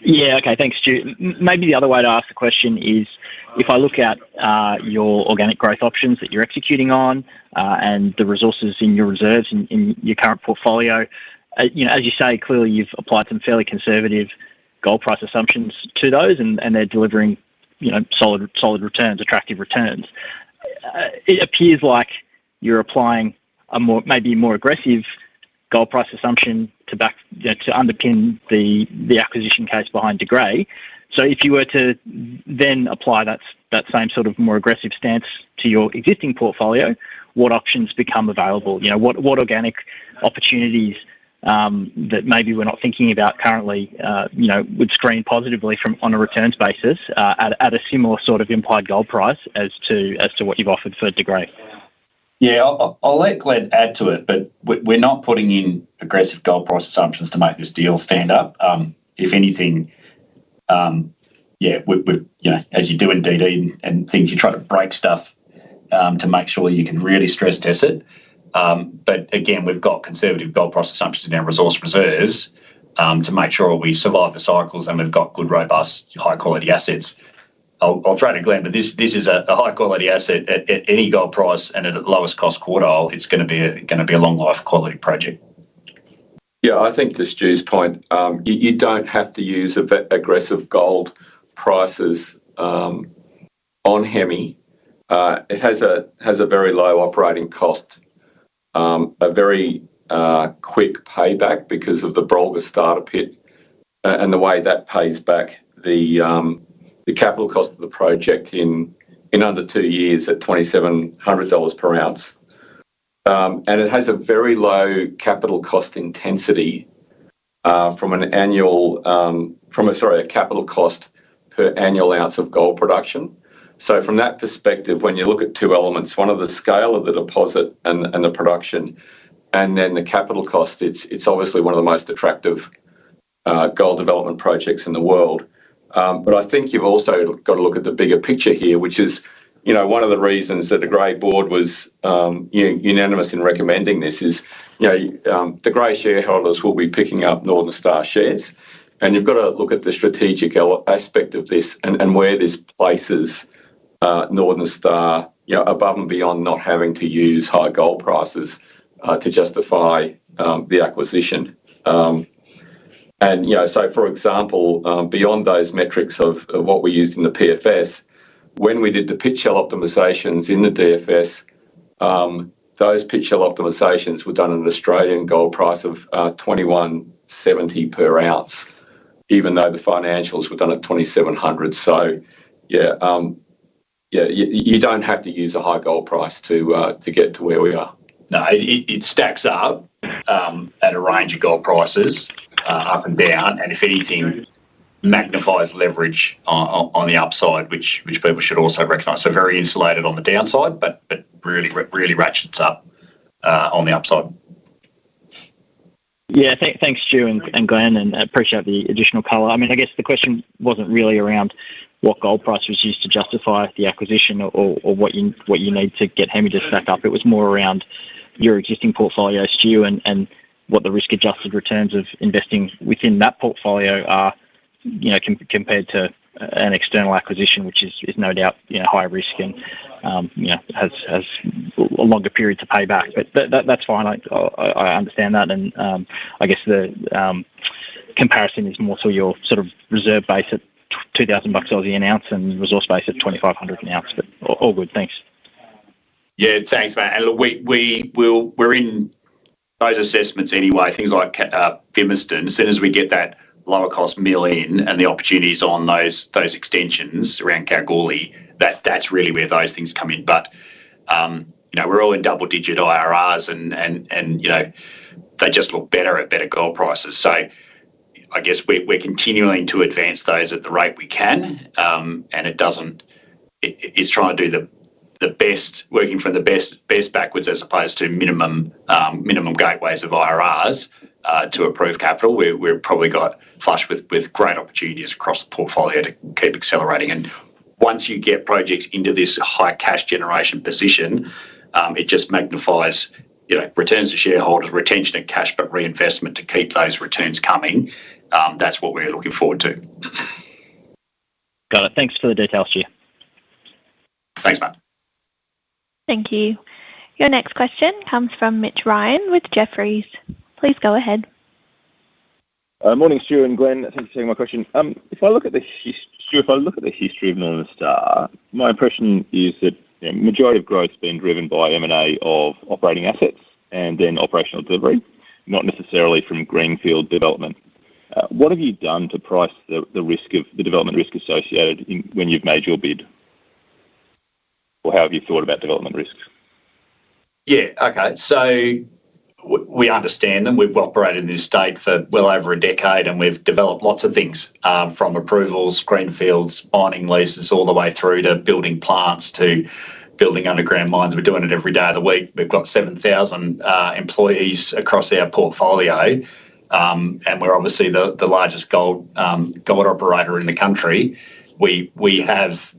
Yeah. Okay. Thanks, Stu. Maybe the other way to ask the question is, if I look at your organic growth options that you're executing on and the resources in your reserves in your current portfolio, as you say, clearly, you've applied some fairly conservative gold price assumptions to those. And they're delivering solid returns, attractive returns. It appears like you're applying a maybe more aggressive gold price assumption to underpin the acquisition case behind De Grey. So if you were to then apply that same sort of more aggressive stance to your existing portfolio, what options become available? What organic opportunities that maybe we're not thinking about currently would screen positively on a returns basis at a similar sort of implied gold price as to what you've offered for De Grey? Yeah. I'll let Glenn add to it. But we're not putting in aggressive gold price assumptions to make this deal stand up. If anything, yeah, as you do in DD and things, you try to break stuff to make sure you can really stress test it. But again, we've got conservative gold price assumptions in our resource reserves to make sure we survive the cycles and we've got good, robust, high-quality assets. I'll throw it at Glenn. But this is a high-quality asset at any gold price and at the lowest cost quartile. It's going to be a long-life quality project. Yeah. I think to Stu's point, you don't have to use aggressive gold prices on Hemi. It has a very low operating cost, a very quick payback because of the Brolga starter pit, and the way that pays back the capital cost of the project in under two years at $2,700 per oz. And it has a very low capital cost intensity from an annual—sorry, a capital cost per annual oz of gold production. So from that perspective, when you look at two elements, one of the scale of the deposit and the production and then the capital cost, it's obviously one of the most attractive gold development projects in the world. But I think you've also got to look at the bigger picture here, which is one of the reasons that the De Grey board was unanimous in recommending this is De Grey shareholders will be picking up Northern Star shares. You've got to look at the strategic aspect of this and where this places Northern Star above and beyond not having to use high gold prices to justify the acquisition. So, for example, beyond those metrics of what we used in the PFS, when we did the pit shell optimizations in the DFS, those pit shell optimizations were done at an Australian gold price of 2,170 per oz, even though the financials were done at 2,700. So yeah, you don't have to use a high gold price to get to where we are. No. It stacks up at a range of gold prices up and down. And if anything, magnifies leverage on the upside, which people should also recognize. So very insulated on the downside, but really ratchets up on the upside. Yeah. Thanks, Stu and Glenn. And I appreciate the additional color. I mean, I guess the question wasn't really around what gold price was used to justify the acquisition or what you need to get Hemi to stack up. It was more around your existing portfolio, Stu, and what the risk-adjusted returns of investing within that portfolio are compared to an external acquisition, which is no doubt high risk and has a longer period to pay back. But that's fine. I understand that. And I guess the comparison is more so your sort of reserve base at 2,000 bucks an oz and resource base at 2,500 an oz. But all good. Thanks. Yeah. Thanks, Matt. And we're in those assessments anyway, things like Fimiston. As soon as we get that lower cost mill in and the opportunities on those extensions around Kalgoorlie, that's really where those things come in. But we're all in double-digit IRRs, and they just look better at better gold prices. So I guess we're continuing to advance those at the rate we can. And it's trying to do the best, working from the best backwards as opposed to minimum gateways of IRRs to approve capital. We've probably got flush with great opportunities across the portfolio to keep accelerating. And once you get projects into this high cash generation position, it just magnifies returns to shareholders, retention of cash, but reinvestment to keep those returns coming. That's what we're looking forward to. Got it. Thanks for the details, Stu. Thanks, mate. Thank you. Your next question comes from Mitch Ryan with Jefferies. Please go ahead. Morning, Stu and Glenn. Thanks for taking my question. If I look at the history of Northern Star, my impression is that the majority of growth has been driven by M&A of operating assets and then operational delivery, not necessarily from greenfield development. What have you done to price the development risk associated when you've made your bid? Or how have you thought about development risks? Yeah. Okay, so we understand them. We've operated in this state for well over a decade, and we've developed lots of things from approvals, greenfields, mining leases, all the way through to building plants to building underground mines. We're doing it every day of the week. We've got 7,000 employees across our portfolio, and we're obviously the largest gold operator in the country. We have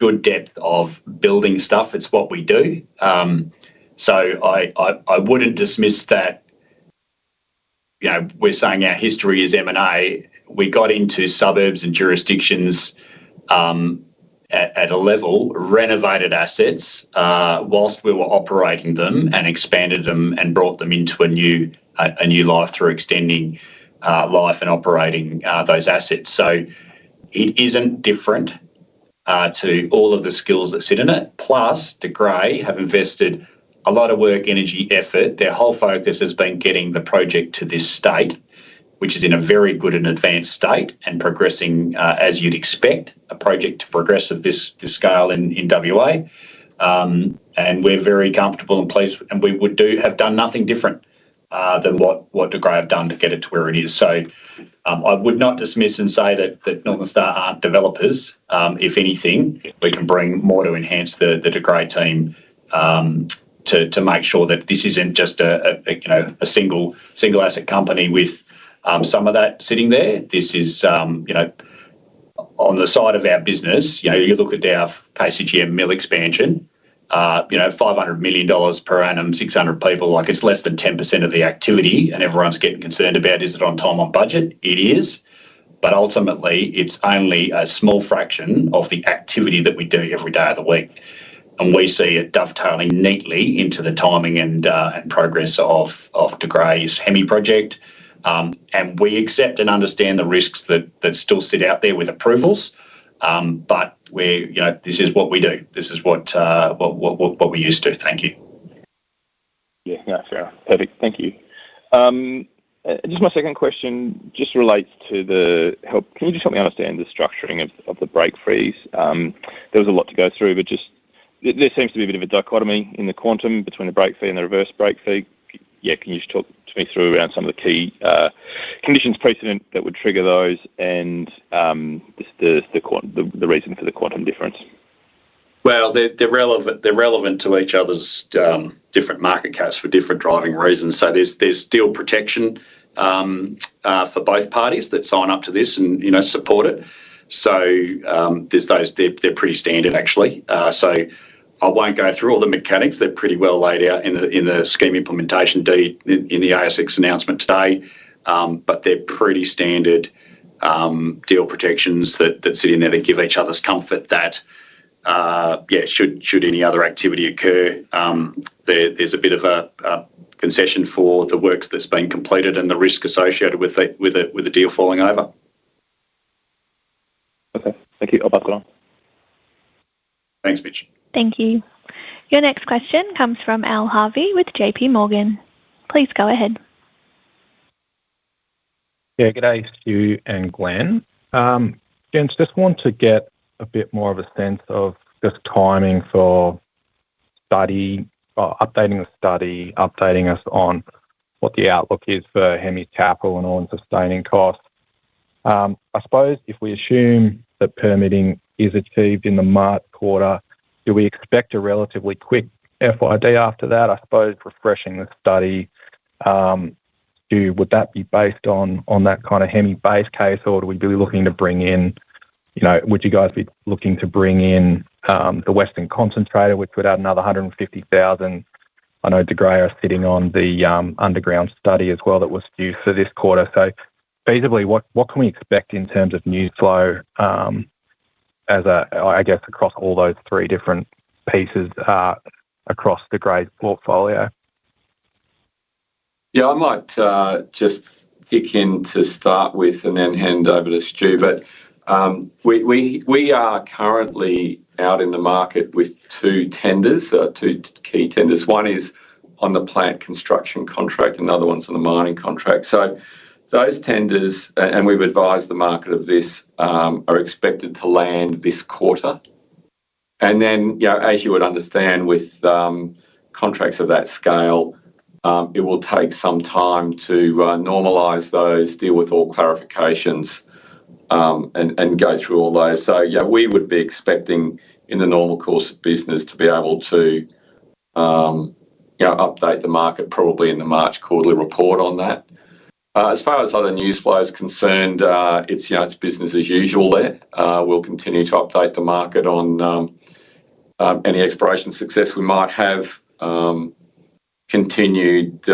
good depth of building stuff. It's what we do. So I wouldn't dismiss that we're saying our history is M&A. We got into suburbs and jurisdictions at a level, renovated assets while we were operating them and expanded them and brought them into a new life through extending life and operating those assets. So it isn't different to all of the skills that sit in it. Plus, De Grey have invested a lot of work, energy, effort. Their whole focus has been getting the project to this state, which is in a very good and advanced state and progressing, as you'd expect, a project to progress at this scale in WA, and we're very comfortable and pleased, and we would have done nothing different than what De Grey have done to get it to where it is, so I would not dismiss and say that Northern Star aren't developers. If anything, we can bring more to enhance the De Grey team to make sure that this isn't just a single asset company with some of that sitting there. This is on the side of our business. You look at our KCGM mill expansion, 500 million dollars per annum, 600 people. It's less than 10% of the activity, and everyone's getting concerned about, "Is it on time, on budget?" It is. But ultimately, it's only a small fraction of the activity that we do every day of the week. And we see it dovetailing neatly into the timing and progress of De Grey's Hemi project. And we accept and understand the risks that still sit out there with approvals. But this is what we do. This is what we're used to. Thank you. Yeah. Yeah. Fair enough. Perfect. Thank you. Just my second question just relates to the deal. Can you just help me understand the structuring of the break fee? There was a lot to go through, but there seems to be a bit of a dichotomy in the quantum between the break fee and the reverse break fee. Yeah. Can you just talk to me through around some of the key conditions precedent that would trigger those, and the reason for the quantum difference? They're relevant to each other's different market caps for different driving reasons. So there's deal protection for both parties that sign up to this and support it. So they're pretty standard, actually. So I won't go through all the mechanics. They're pretty well laid out in the scheme implementation in the ASX annozment today. But they're pretty standard deal protections that sit in there that give each other's comfort that, yeah, should any other activity occur, there's a bit of a concession for the work that's been completed and the risk associated with the deal falling over. Okay. Thank you. I'll pass it on. Thanks, Mitch. Thank you. Your next question comes from Al Harvey with JPMorgan. Please go ahead. Yeah. Good day, Stu and Glenn. Just want to get a bit more of a sense of just timing for updating the study, updating us on what the outlook is for Hemi's capital and all-in sustaining costs. I suppose if we assume that permitting is achieved in the March quarter, do we expect a relatively quick FID after that? I suppose refreshing the study, Stu, would that be based on that kind of Hemi base case, or are we really looking to bring in? Would you guys be looking to bring in the Withnell concentrator, which would add another 150,000? I know De Grey are sitting on the underground study as well that was due for this quarter. So basically, what can we expect in terms of new flow, I guess, across all those three different pieces across De Grey's portfolio? Yeah. I might just kick in to start with and then hand over to Stu. But we are currently out in the market with two tenders, two key tenders. One is on the plant construction contract, and the other one's on the mining contract. So those tenders, and we've advised the market of this, are expected to land this quarter. And then, as you would understand, with contracts of that scale, it will take some time to normalize those, deal with all clarifications, and go through all those. So we would be expecting, in the normal course of business, to be able to update the market probably in the March quarterly report on that. As far as other news flow is concerned, it's business as usual there. We'll continue to update the market on any exploration success we might have, continued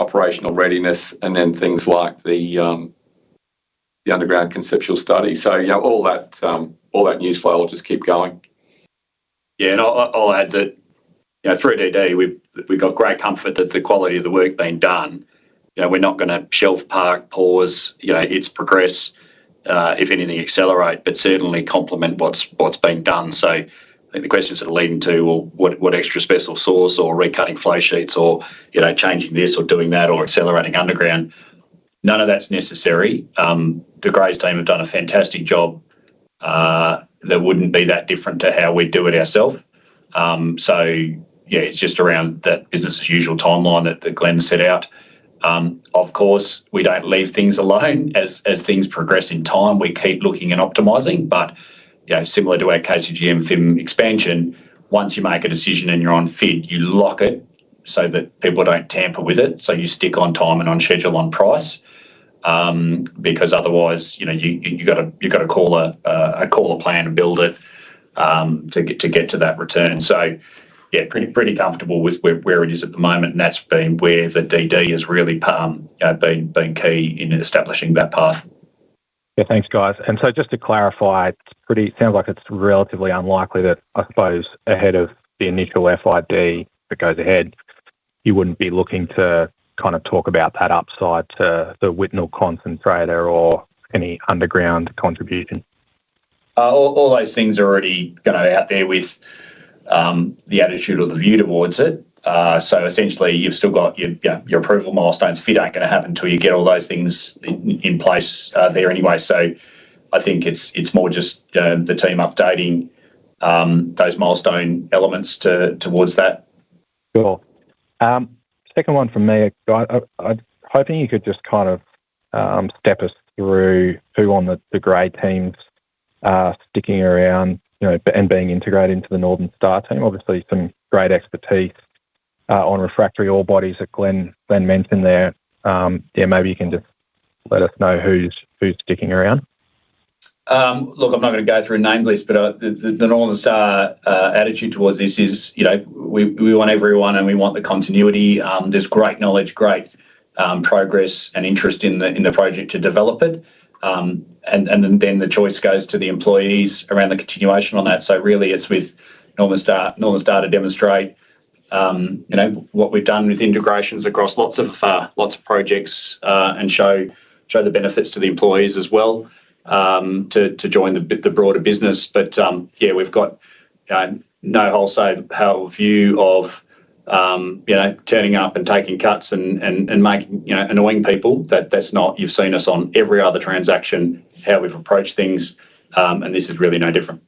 operational readiness, and then things like the underground conceptual study. So all that news flow will just keep going. Yeah. And I'll add that through DD, we've got great comfort that the quality of the work being done. We're not going to shelve, park, pause. It's progress. If anything, accelerate, but certainly complement what's being done. So the questions that are leading to, "Well, what extra special sauce or recutting flow sheets or changing this or doing that or accelerating underground?" None of that's necessary. De Grey's team have done a fantastic job. That wouldn't be that different to how we do it ourselves. So yeah, it's just around that business as usual timeline that Glenn set out. Of course, we don't leave things alone. As things progress in time, we keep looking and optimizing. But similar to our KCGM Fimiston expansion, once you make a decision and you're on FID, you lock it so that people don't tamper with it. So you stick on time and on schedule on price because otherwise, you've got to call a plan and build it to get to that return. So yeah, pretty comfortable with where it is at the moment. And that's been where the DD has really been key in establishing that path. Yeah. Thanks, guys. And so just to clarify, it sounds like it's relatively unlikely that, I suppose, ahead of the initial FID that goes ahead, you wouldn't be looking to kind of talk about that upside to the Withnell concentrator or any underground contribution. All those things are already going to be out there with the attitude or the view towards it. So essentially, you've still got your approval milestones. FID ain't going to happen until you get all those things in place there anyway. So I think it's more just the team updating those milestone elements towards that. Cool. Second one from me. I'm hoping you could just kind of step us through who on the De Grey team's sticking around and being integrated into the Northern Star team. Obviously, some great expertise on refractory ore bodies that Glenn mentioned there. Yeah, maybe you can just let us know who's sticking around. Look, I'm not going to go through a name list, but the Northern Star attitude towards this is we want everyone, and we want the continuity. There's great knowledge, great progress, and interest in the project to develop it, and then the choice goes to the employees around the continuation on that, so really, it's with Northern Star to demonstrate what we've done with integrations across lots of projects and show the benefits to the employees as well to join the broader business, but yeah, we've got no wholesale view of turning up and taking cuts and annoying people. You've seen us on every other transaction, how we've approached things, and this is really no different.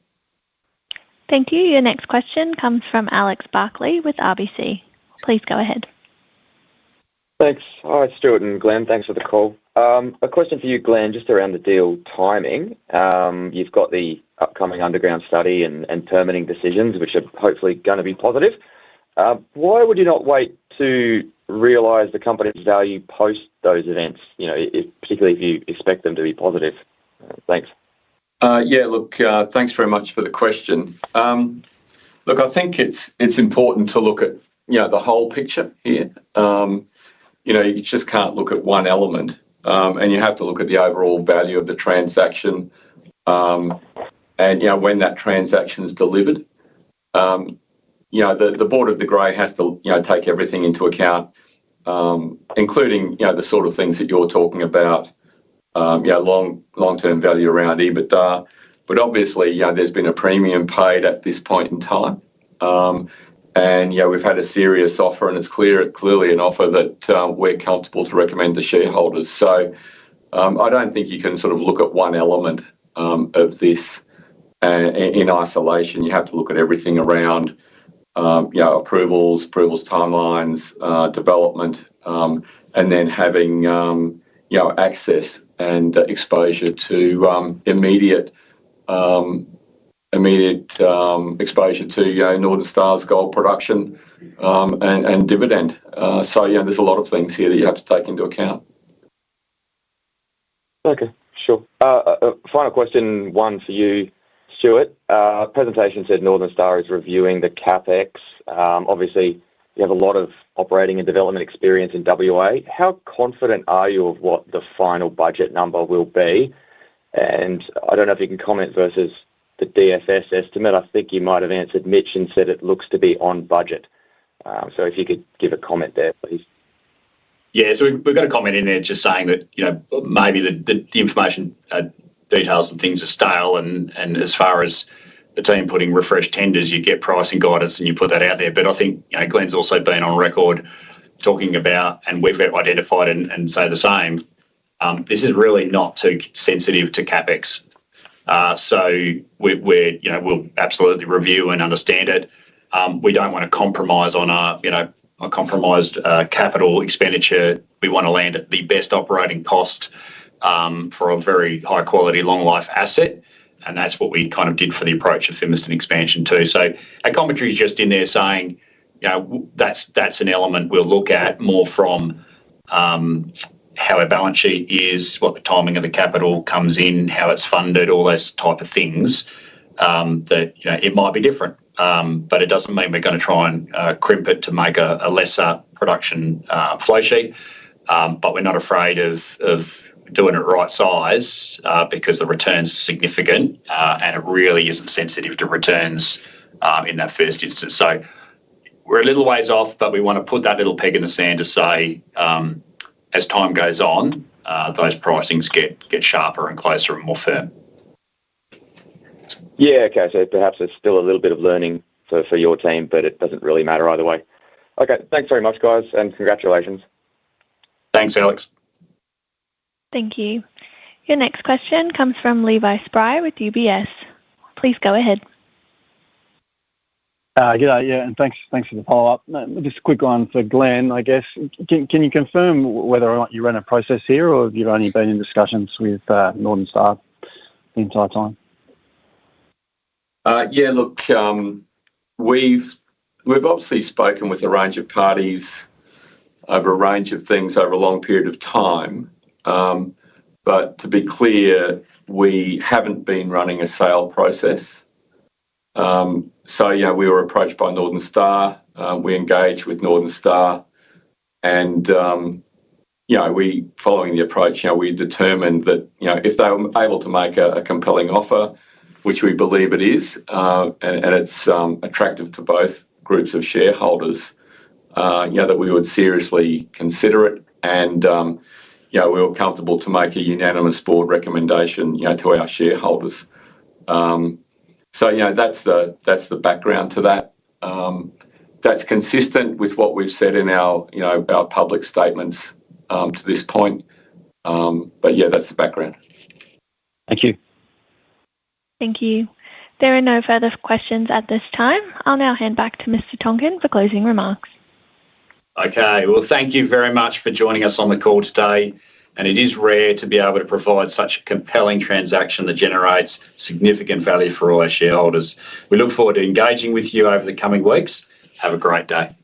Thank you. Your next question comes from Alex Barclay with RBC. Please go ahead. Thanks. Hi, Stuart and Glenn. Thanks for the call. A question for you, Glenn, just around the deal timing. You've got the upcoming underground study and permitting decisions, which are hopefully going to be positive. Why would you not wait to realize the company's value post those events, particularly if you expect them to be positive? Thanks. Yeah. Look, thanks very much for the question. Look, I think it's important to look at the whole picture here. You just can't look at one element, and you have to look at the overall value of the transaction and when that transaction's delivered. The board of De Grey has to take everything into account, including the sort of things that you're talking about, long-term value around EBITDA. But obviously, there's been a premium paid at this point in time. And we've had a serious offer, and it's clearly an offer that we're comfortable to recommend to shareholders. So I don't think you can sort of look at one element of this in isolation. You have to look at everything around approvals, approvals timelines, development, and then having access and exposure to immediate exposure to Northern Star's gold production and dividend. There's a lot of things here that you have to take into account. Okay. Sure. Final question, one for you, Stuart. Presentation said Northern Star is reviewing the CapEx. Obviously, you have a lot of operating and development experience in WA. How confident are you of what the final budget number will be? And I don't know if you can comment versus the DFS estimate. I think you might have answered Mitch and said it looks to be on budget. So if you could give a comment there, please. Yeah. So we've got a comment in there just saying that maybe the information details and things are stale, and as far as the team putting refreshed tenders, you get pricing guidance, and you put that out there. But I think Glenn's also been on record talking about, and we've identified and say the same, this is really not too sensitive to CapEx, so we'll absolutely review and understand it. We don't want to compromise on our compromised capital expenditure. We want to land at the best operating cost for a very high-quality, long-life asset. And that's what we kind of did for the approach of Fimiston expansion too. So a commentary's just in there saying that's an element we'll look at more from how our balance sheet is, what the timing of the capital comes in, how it's funded, all those type of things. It might be different, but it doesn't mean we're going to try and crimp it to make a lesser production flow sheet. But we're not afraid of doing it right size because the returns are significant, and it really isn't sensitive to returns in that first instance. So we're a little ways off, but we want to put that little peg in the sand to say, as time goes on, those pricings get sharper and closer and more firm. Yeah. Okay. So perhaps there's still a little bit of learning for your team, but it doesn't really matter either way. Okay. Thanks very much, guys, and congratulations. Thanks, Alex. Thank you. Your next question comes from Levi Spry with UBS. Please go ahead. Yeah. Yeah, and thanks for the follow-up. Just a quick one for Glenn, I guess. Can you confirm whether or not you run a process here or you've only been in discussions with Northern Star the entire time? Yeah. Look, we've obviously spoken with a range of parties over a range of things over a long period of time. But to be clear, we haven't been running a sale process. So we were approached by Northern Star. We engaged with Northern Star. And following the approach, we determined that if they were able to make a compelling offer, which we believe it is, and it's attractive to both groups of shareholders, that we would seriously consider it. And we were comfortable to make a unanimous board recommendation to our shareholders. So that's the background to that. That's consistent with what we've said in our public statements to this point. But yeah, that's the background. Thank you. Thank you. There are no further questions at this time. I'll now hand back to Mr. Tonkin for closing remarks. Okay. Well, thank you very much for joining us on the call today. And it is rare to be able to provide such a compelling transaction that generates significant value for all our shareholders. We look forward to engaging with you over the coming weeks. Have a great day.